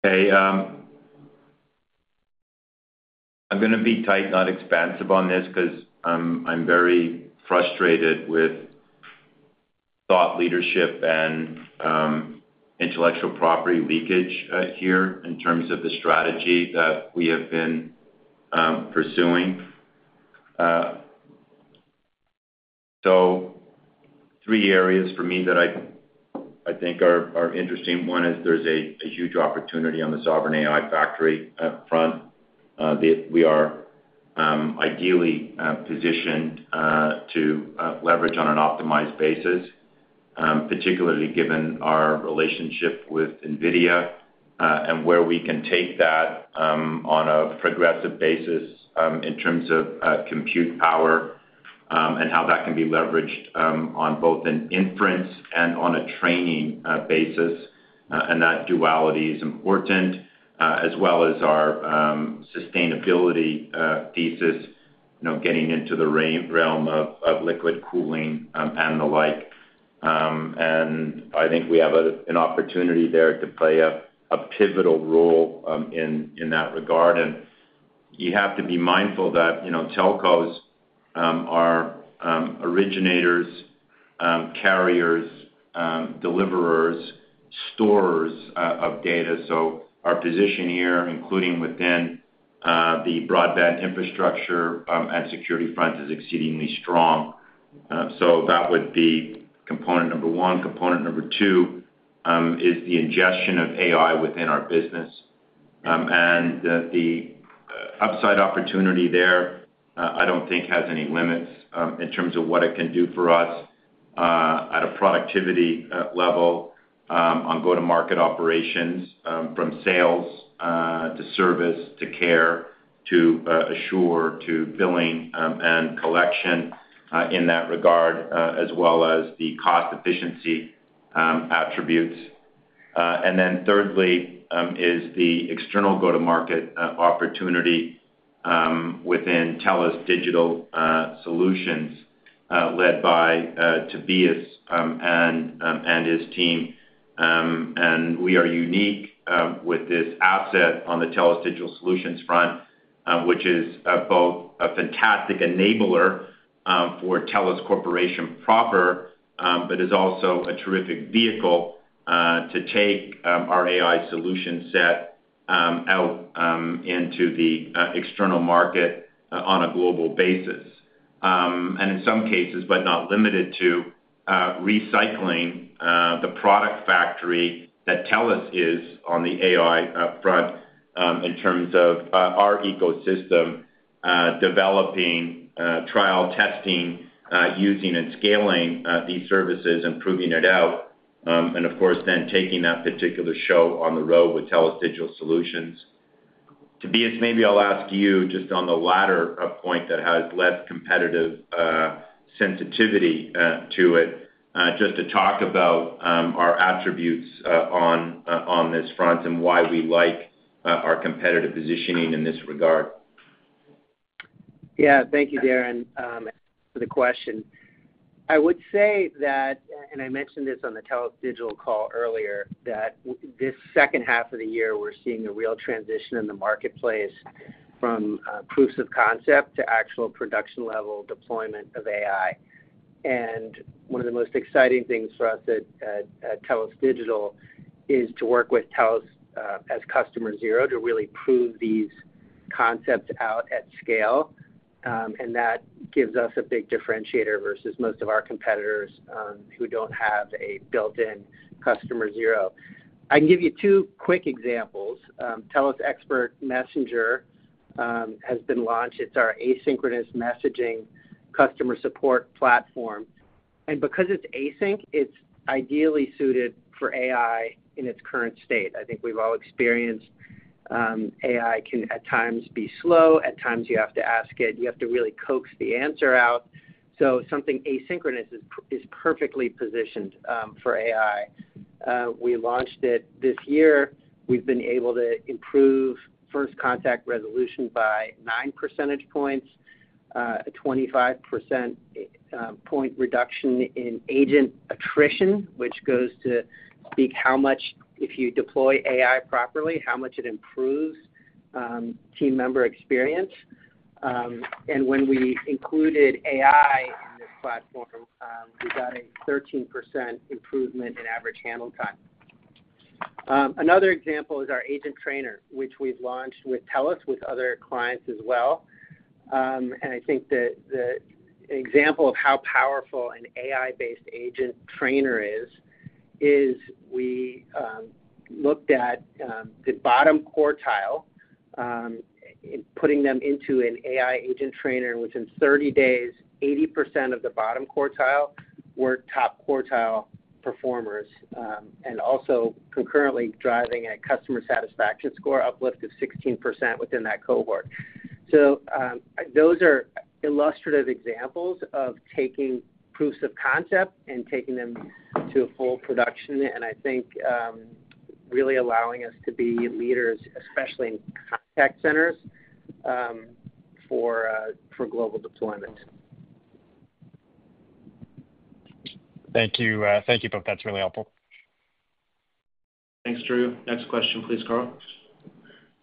Hey, I'm going to be tight, not expansive on this because I'm very frustrated with thought leadership and intellectual property leakage here in terms of the strategy that we have been pursuing. Three areas for me that I think are interesting. One is there's a huge opportunity on the sovereign AI factory front we are ideally positioned to leverage on an optimized basis, particularly given our relationship with NVIDIA and where we can take that on a progressive basis in terms of compute power and how that can be leveraged on both an inference and on a training basis. That duality is important, as well as our sustainability thesis, getting into the realm of liquid cooling and the like. I think we have an opportunity there to play a pivotal role in that regard. You have to be mindful that telcos are originators, carriers, deliverers, storers of data. Our position here, including within the broadband infrastructure and security front, is exceedingly strong. That would be component number one. Component number two is the ingestion of AI within our business and the upside opportunity there I don't think has any limits in terms of what it can do for us at a productivity level on go to market operations, from sales to service to care to assure to billing and collection in that regard, as well as the cost efficiency attributes. Thirdly is the external go to market opportunity within TELUS Digital Solutions led by Tobias and his team. We are unique with this asset on the TELUS Digital Solutions front, which is both a fantastic enabler for TELUS Corporation proper, but is also a terrific vehicle to take our AI solution set out into the external market on a global basis and in some cases, but not limited to recycling the product factory that TELUS is on the AI front in terms of our ecosystem developing, trial, testing, using and scaling these services and proving it out. Of course, then taking that particular show on the road with TELUS Digital Solutions. Tobias, maybe I'll ask you just on the latter point that has less competitive sensitivity to it, just to talk about our attributes on this front and why we like our competitive positioning in this regard. Yeah, thank you Darren, for the question. I would say that, and I mentioned this on the TELUS Digital call earlier, this second half of the year we're seeing a real transition in the marketplace from proofs of concept to actual production level deployment of AI. One of the most exciting things for us at TELUS Digital is to work with TELUS as customer zero to really prove these concepts out at scale. That gives us a big differentiator versus most of our competitors who don't have a built-in customer zero. I can give you two quick examples. TELUS expert messenger has been launched. It's our asynchronous messaging customer support platform, and because it's async, it's ideally suited for AI in its current state. I think we've all experienced AI can at times be slow. At times you have to ask it, you have to really coax the answer out. Something asynchronous is perfectly positioned for AI. We launched it this year. We've been able to improve first contact resolution by 9 percentage points, a 25% reduction in agent attrition, which goes to speak how much if you deploy AI properly, how much it improves team member experience. When we included AI in this platform, we got a 13% improvement in average handle time. Another example is our agent trainer, which we've launched with TELUS and with other clients as well. I think that an example of how powerful an AI-based agent trainer is, is we looked at the bottom quartile, putting them into an AI agent trainer. Within 30 days, 80% of the bottom quartile were top quartile performers and also concurrently driving a customer satisfaction score uplift of 16% within that cohort. Those are illustrative examples of taking proofs of concept and taking them to a full production, and I think really allowing us to be leaders, especially in contact centers for global deployment. Thank you. Thank you both, that's really helpful. Thanks Drew. Next question please. Carl.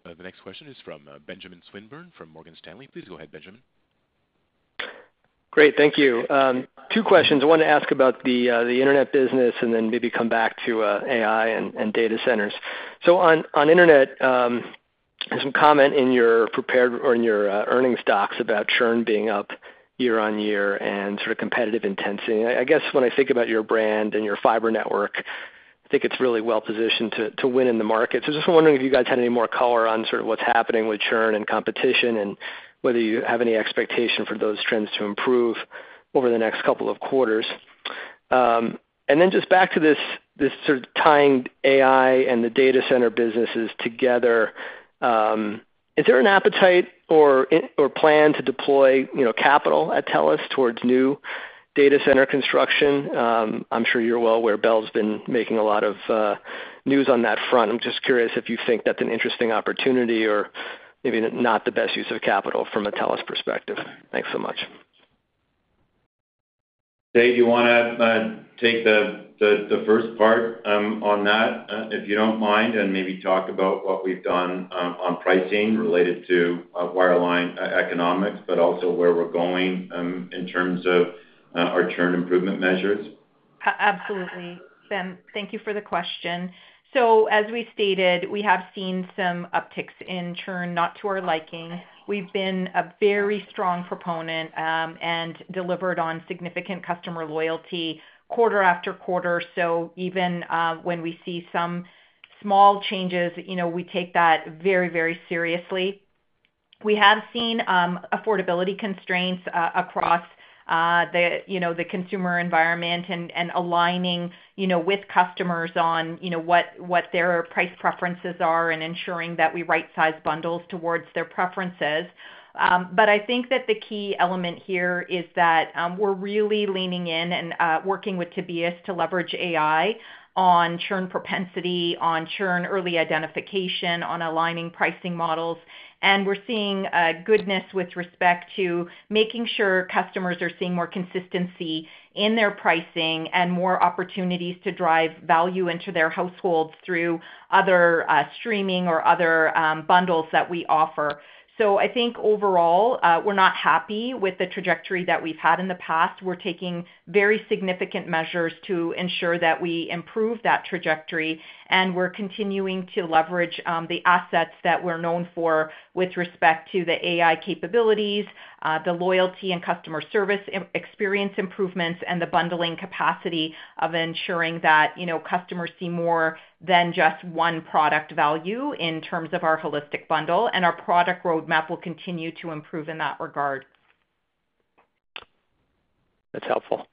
The next question is from Benjamin Swinburne from Morgan Stanley. Please go ahead, Benjamin. Great, thank you. Two questions, one to ask about the Internet business and then maybe come back to AI and data centers. On Internet, some comment in your prepared or in your earnings talks about churn being up year-on-year and sort of competitive intensity. I guess when I think about your brand and your fiber network, I think it's really well positioned to win in the market. I was just wondering if you guys had any more color on sort of what's happening with churn and competition and whether you have any expectation for those trends to improve over the next couple of quarters. Just back to this sort of tying AI and the data center businesses together, is there an appetite or plan to deploy capital at TELUS towards new data center construction? I'm sure you're well aware Bell's been making a lot of news on that front. I'm just curious if you think that's an interesting opportunity or maybe not the best use of capital from a TELUS perspective. Thanks so much. Dave. You want to take the first part on that if you don't mind, and maybe talk about what we've done on pricing related to wireline economics, but also where we're going in terms of our churn improvement measures. Absolutely. Thank you for the question. As we stated, we have seen some upticks in churn not to our liking. We've been a very strong proponent and delivered on significant customer loyalty quarter after quarter. Even when we see some small changes, we take that very, very seriously. We have seen affordability constraints across the consumer environment and aligning with customers on what their price preferences are and ensuring that we right size bundles towards their preferences. I think that the key element here is that we're really leaning in and working with Tobias to leverage AI on churn, propensity on churn, early identification on aligning pricing models, and we're seeing goodness with respect to making sure customers are seeing more consistency in their pricing and more opportunities to drive value into their households through other streaming or other bundles that we offer. Overall, we're not happy with the trajectory that we've had in the past. We're taking very significant measures to ensure that we improve that trajectory and we're continuing to leverage the assets that we're known for with respect to the AI capabilities, the loyalty and customer service experience improvements, and the bundling capacity of ensuring that customers see more than just one product value in terms of our holistic bundle, and our product roadmap will continue to improve in that regard. That's helpful.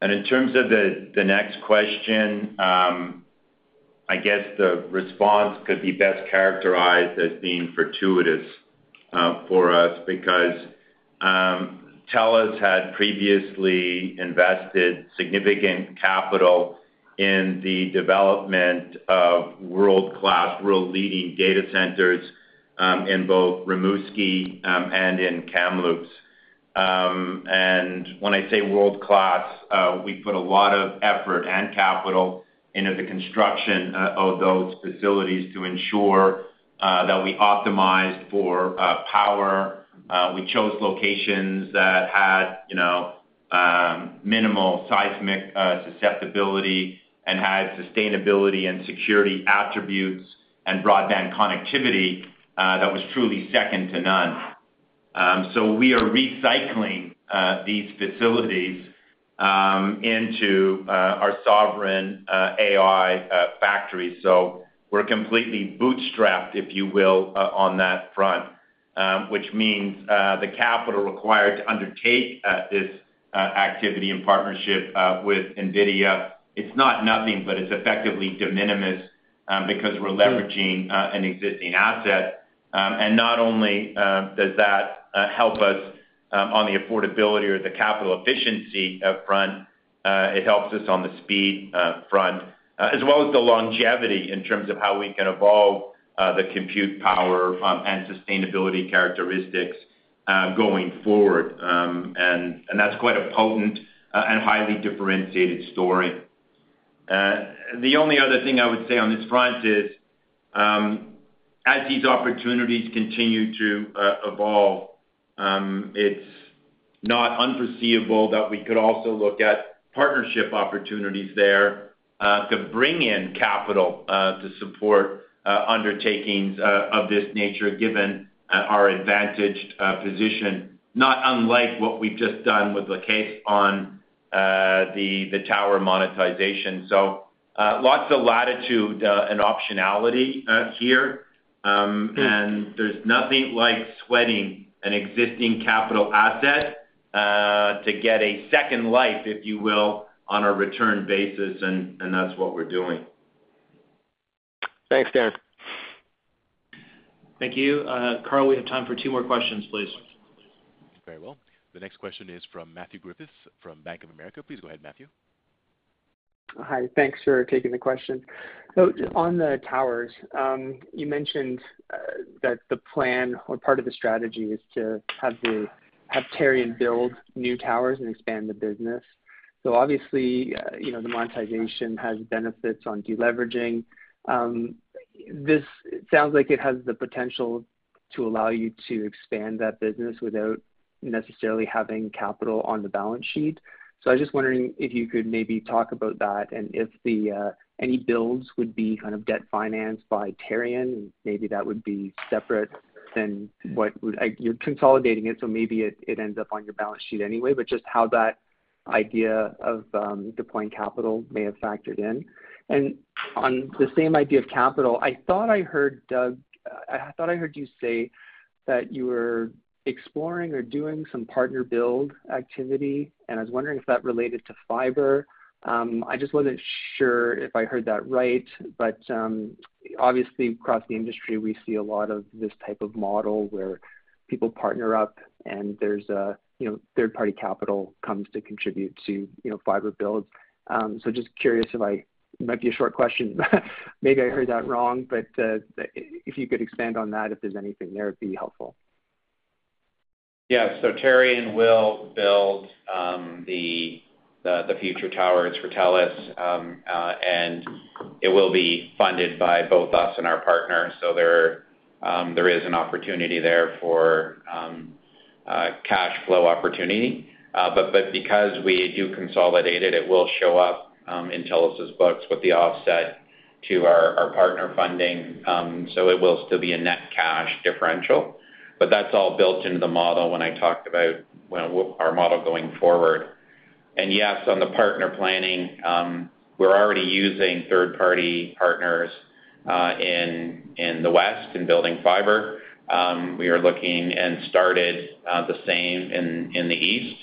In terms of the next question, I guess the response could be best characterized as being fortuitous for us because TELUS had previously invested significant capital in the development of world-class, world-leading data centers in both Rimouski and in Kamloops. When I say world-class, we put a lot of effort and capital into the construction of those facilities to ensure that we optimized for power. We chose locations that had minimal seismic susceptibility and had sustainability and security attributes and broadband connectivity that was truly second to none. We are recycling these facilities into our sovereign AI factories. We're completely bootstrapped, if you will, on that front, which means the capital required to undertake this activity in partnership with NVIDIA, it's not nothing, but it's effectively de minimis because we're leveraging an existing asset. Not only does that help us on the affordability or the capital efficiency front, it helps us on the speed front as well as the longevity in terms of how we can evolve the compute power and sustainability characteristics going forward. That's quite a potent and highly differentiated story. The only other thing I would say on this front is as these opportunities continue to evolve, it's not unforeseeable that we could also look at partnership opportunities there to bring in capital to support undertakings of this nature, given our advantaged position. Not unlike what we've just done with the Caisse on the tower monetization. Lots of latitude and optionality here, and there's nothing like sweating an existing capital asset to get a second life, if you will, on a return basis. That's what we're doing. Thanks, Darren. Thank you, Carl. We have time for two more questions, please. Very well. The next question is from Matt Griffiths from Bank of America. Please go ahead. Matthew. Hi. Thanks for taking the question on the towers. You mentioned that the plan or part of the strategy is to have Terrion build new towers and expand the business. Obviously, the monetization has benefits on deleveraging. This sounds like it has the potential to allow you to expand that business without necessarily having capital on the balance sheet. I was just wondering if you could maybe talk about that and if any builds would be kind of debt financed by Terrion. Maybe that would be separate than what you're consolidating it. Maybe it ends up on your balance sheet anyway. Just how that idea of deploying capital may have factored in. On the same idea of capital, I thought I heard Doug, I thought I heard you say that you were exploring or doing some partner build activity and I was wondering if that related to fiber. I just wasn't sure if I heard that right. Obviously, across the industry we see a lot of this type of model where people partner up and there's third party capital comes to contribute to fiber builds. Just curious if I might be a short question, maybe I heard that wrong, but if you could expand on that, if there's anything there, it'd be helpful. Yes. Terrion will build the future towers for TELUS and it will be funded by both us and our partner. There is an opportunity there for cash flow opportunity. Because we do consolidate it, it will show up in TELUS books with the offset to our partner funding. It will still be a net cash differential, but that's all built into the model when I talked about our model going forward. Yes, on the partner planning, we're already using third party partners in the west in building fiber. We are looking and started the same in the east,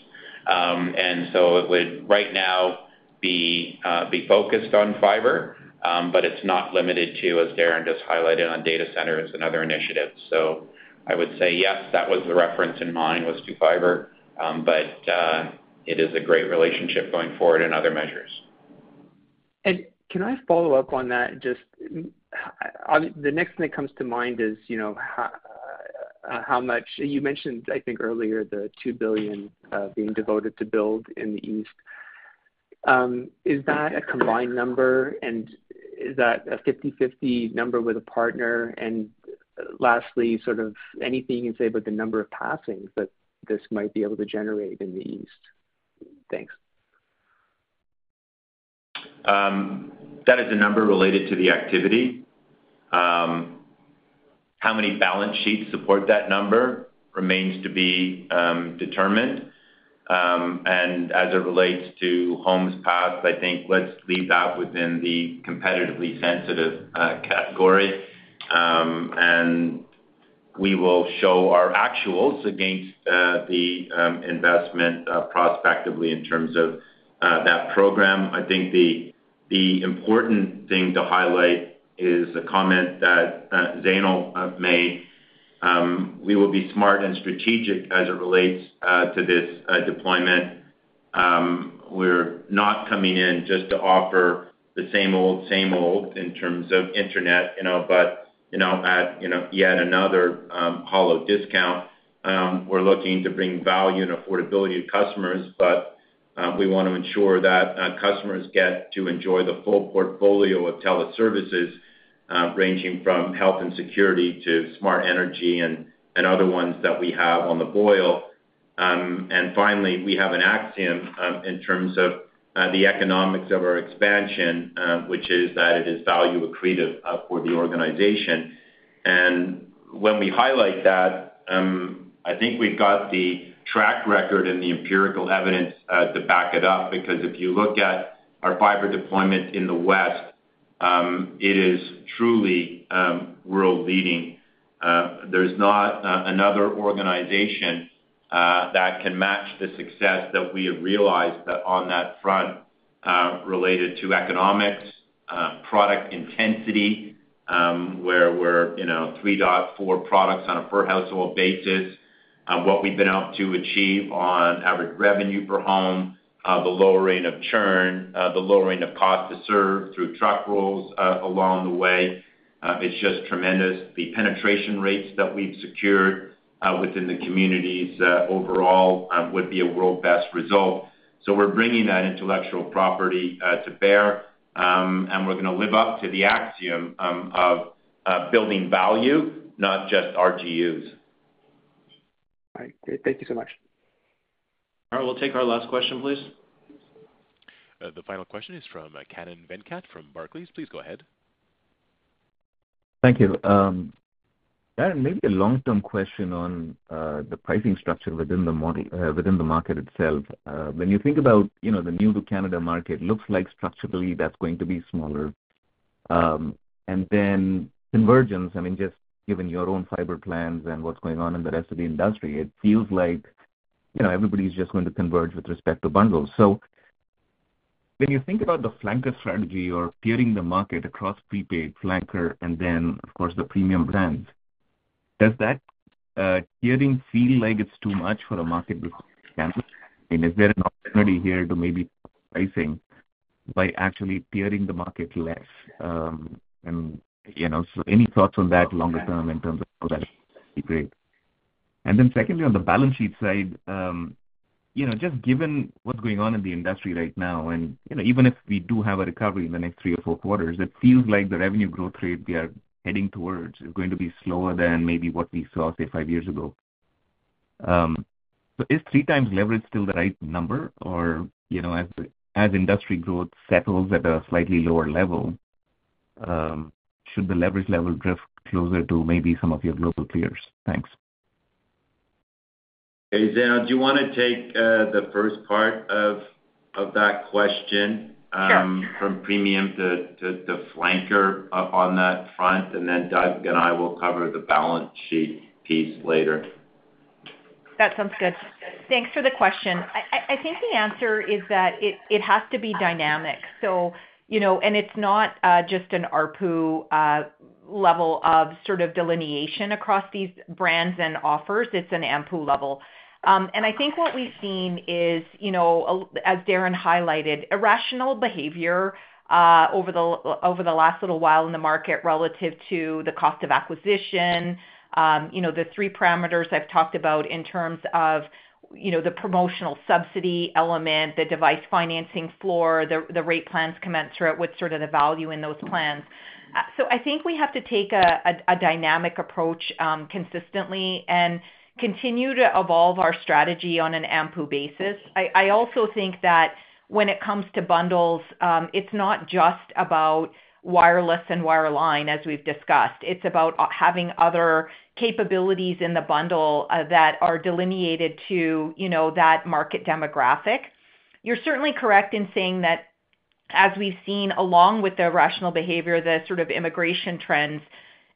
so it would right now be focused on fiber, but it's not limited to, as Darren just highlighted on data centers and other initiatives. I would say yes, the reference in mine was to fiber, but it is a great relationship going forward in other measures. Can I follow up on that? Just the next thing that comes to mind is how much you mentioned, I think earlier, the $2 billion being devoted to build in the east. Is that a combined number, and is that a 50/50 number with a partner? Lastly, anything you can say about the number of passings that this might be able to generate in the east, thanks. That is a number related to the activity. How many balance sheets support that number remains to be determined. As it relates to homes passed, I think let's leave that within the competitively sensitive category and we will show our actuals against the investment prospectively in terms of that program. The important thing to highlight is a comment that Zainul made. We will be smart and strategic as it relates to this deployment. We're not coming in just to offer the same old, same old in terms of Internet, but at yet another hollow discount. We're looking to bring value and affordability to customers, but we want to ensure that customers get to enjoy the full portfolio of TELUS services ranging from health and security to smart energy and other ones that we have on the boil. Finally, we have an axiom in terms of the economics of our expansion, which is that it is value accretive for the organization. When we highlight that, I think we've got the track record and the empirical evidence to back it up because if you look at our fiber deployment in the West, it is truly world leading. There's not another organization that can match the success that we have realized on that front related to economics, product intensity where we're 3.4 products on a per household basis, what we've been able to achieve on average revenue per home, the lowering of churn, the lowering of cost to serve through truck rolls along the way, it's just tremendous. The penetration rates that we've secured within the communities overall would be a world best result. We're bringing that intellectual property to bear and we're going to live up to the axiom of building value, not just RGUs. Thank you so much. We'll take our last question, please. The final question is from Kanaan Venkat from Barclays. Please go ahead. Thank you, Darren. Maybe a long-term question on the pricing structure within the market itself. When you think about the new to Canada market, it looks like structurally that's going to be smaller, and then convergence, I mean just given your own fiber plans and what's going on in the rest of the industry, it feels like everybody is just going to converge with respect to bundles. When you think about the flanker strategy or tiering the market across prepaid flanker and then of course the premium brands, does that tiering feel like it's too much for a market? Is there an opportunity here to maybe price by actually tiering the market less? Any thoughts on that longer term? Secondly, on the balance sheet side, just given what's going on in the industry right now, even if we do have a recovery in the next three or four quarters, it feels like the revenue growth rate we are heading towards is going to be slower than maybe what we saw, say, five years ago. Is 3x leverage still the right number? As industry growth settles at a slightly lower level, should the leverage level drift closer to maybe some of your global peers? Thanks. Do you want to take the first part of that question from premium to flanker on that front, and then Doug and I will cover the balance sheet piece later. That sounds good. Thanks for the question. I think the answer is that it has to be dynamic. You know, it's not just an ARPU level of sort of delineation across these brands and offers, it's an AMPU level. I think what we've seen is, as Darren highlighted, irrational behavior over the last little while in the market relative to the cost of acquisition. The three parameters I've talked about in terms of the promotional subsidy element, the device financing floor, the rate plans commensurate with the value in those plans. I think we have to take a dynamic approach consistently and continue to evolve our strategy on an AMPU basis. I also think that when it comes to bundles, it's not just about wireless and wireline as we've discussed, it's about having other capabilities in the bundle that are delineated to that market demographic. You're certainly correct in saying that as we've seen, along with the rational behavior, the sort of immigration trends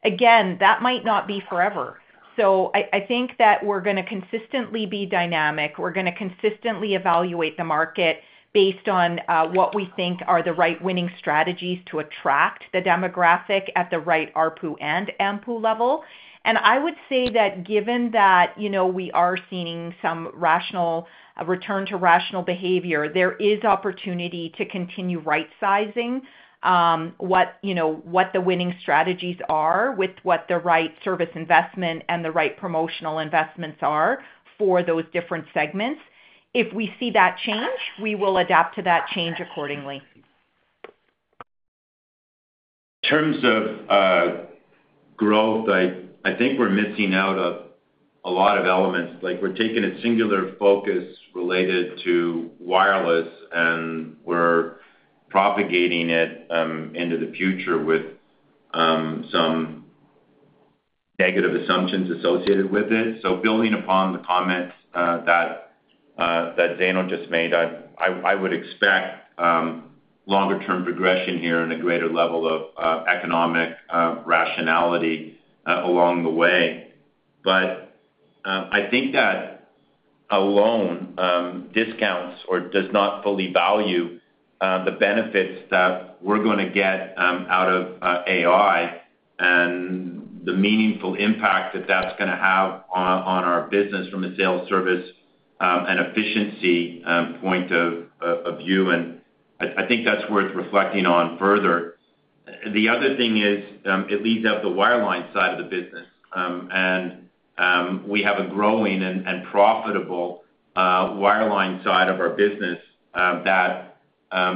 again that might not be forever. I think that we're going to consistently be dynamic. We're going to consistently evaluate the market based on what we think are the right winning strategies to attract the demographic at the right ARPU and AMPU level. I would say that given that we are seeing a return to rational behavior, there is opportunity to continue right sizing what the winning strategies are with what the right service investment and the right promotional investments are for those different segments. If we see that change, we will adapt to that change accordingly. In terms of growth, I think we're missing out on a lot of elements like we're taking a singular focus related to wireless and we're propagating it into the future with some negative assumptions associated with it. Building upon the comments that Zainul just made, I would expect longer term progression here and a greater level of economic rationality along the way. I think that alone discounts or does not fully value the benefits that we're going to get out of AI and the meaningful impact that that's going to have on our business from a sales, service, and efficiency point of view. I think that's worth reflecting on further. The other thing is it leads up the wireline side of the business and we have a growing and profitable wireline side of our business that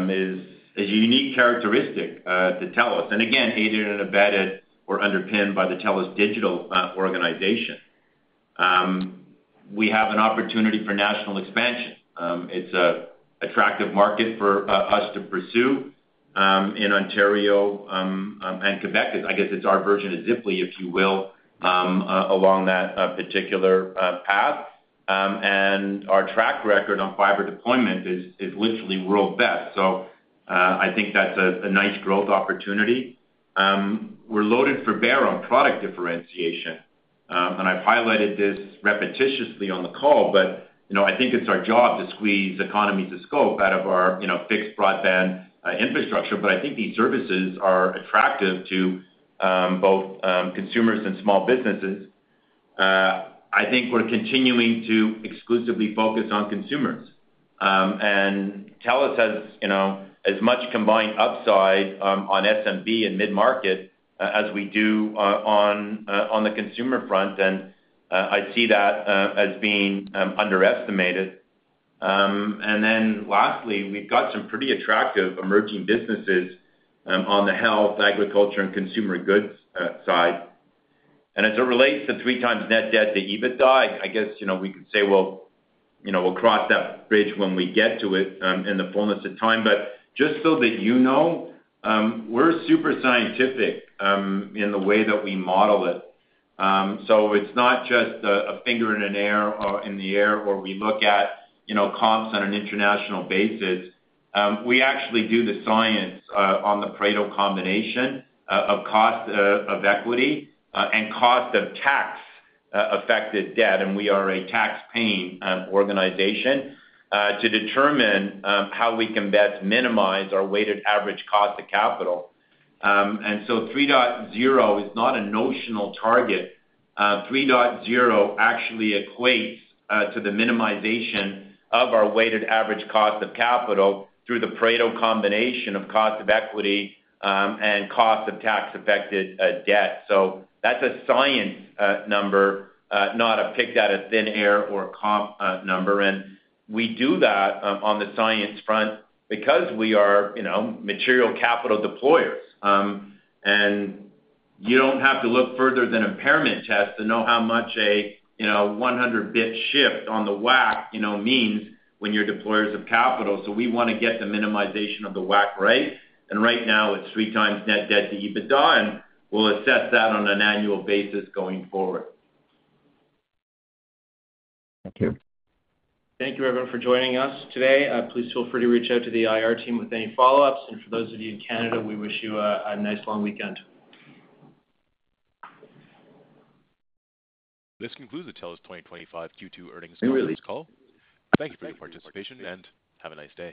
is a unique characteristic to TELUS and again aided and abetted or underpinned by the TELUS Digital organization, we have an opportunity for national expansion. It's an attractive market for us to pursue in Ontario and Quebec, I guess it's our version of Ziply, if you will, along that particular path. Our track record on fiber deployment is literally world best. I think that's a nice growth opportunity. We're loaded for bear on product differentiation and I've highlighted this repetitiously on the call. I think it's our job to squeeze economies of scope out of our fixed broadband infrastructure. I think these services are attractive to both consumers and small businesses. I think we're continuing to exclusively focus on consumers and TELUS has as much combined upside on SMB and mid market as we do on the consumer front. I see that as being underestimated. Lastly, we've got some pretty attractive emerging businesses on the health, agriculture, and consumer goods side. As it relates to 3x net debt to EBITDA, I guess we could say we'll cross that bridge when we get to it in the fullness of time. Just so that you know, we're super scientific in the way that we model it so it's not just a finger in the air or we look at comps on an international basis. We actually do the science on the Pareto combination of cost of equity and cost of tax affected debt. We are a tax paying organization to determine how we can best minimize our weighted average cost of capital. 3.0 is not a notional target. 3.0 actually equates to the minimization of our weighted average cost of capital through the Pareto combination of cost of equity and cost of tax-affected debt. That's a science number, not a picked out of thin air or comp number. We do that on the science front because we are material capital deployers, and you don't have to look further than impairment tests to know how much a 100 basis points shift on the WACC means when you're deployers of capital. We want to get the minimization of the WACC right, and right now it's three times net debt to EBITDA. We'll assess that on an annual basis going forward. Thank you. Thank you, everyone, for joining us today. Please feel free to reach out the IR team with any follow-ups for those of you in Canada we wish you a nice long weekend. This concludes the TELUS 2025 Q2 earnings release call. Thank you for your participation and have a nice day.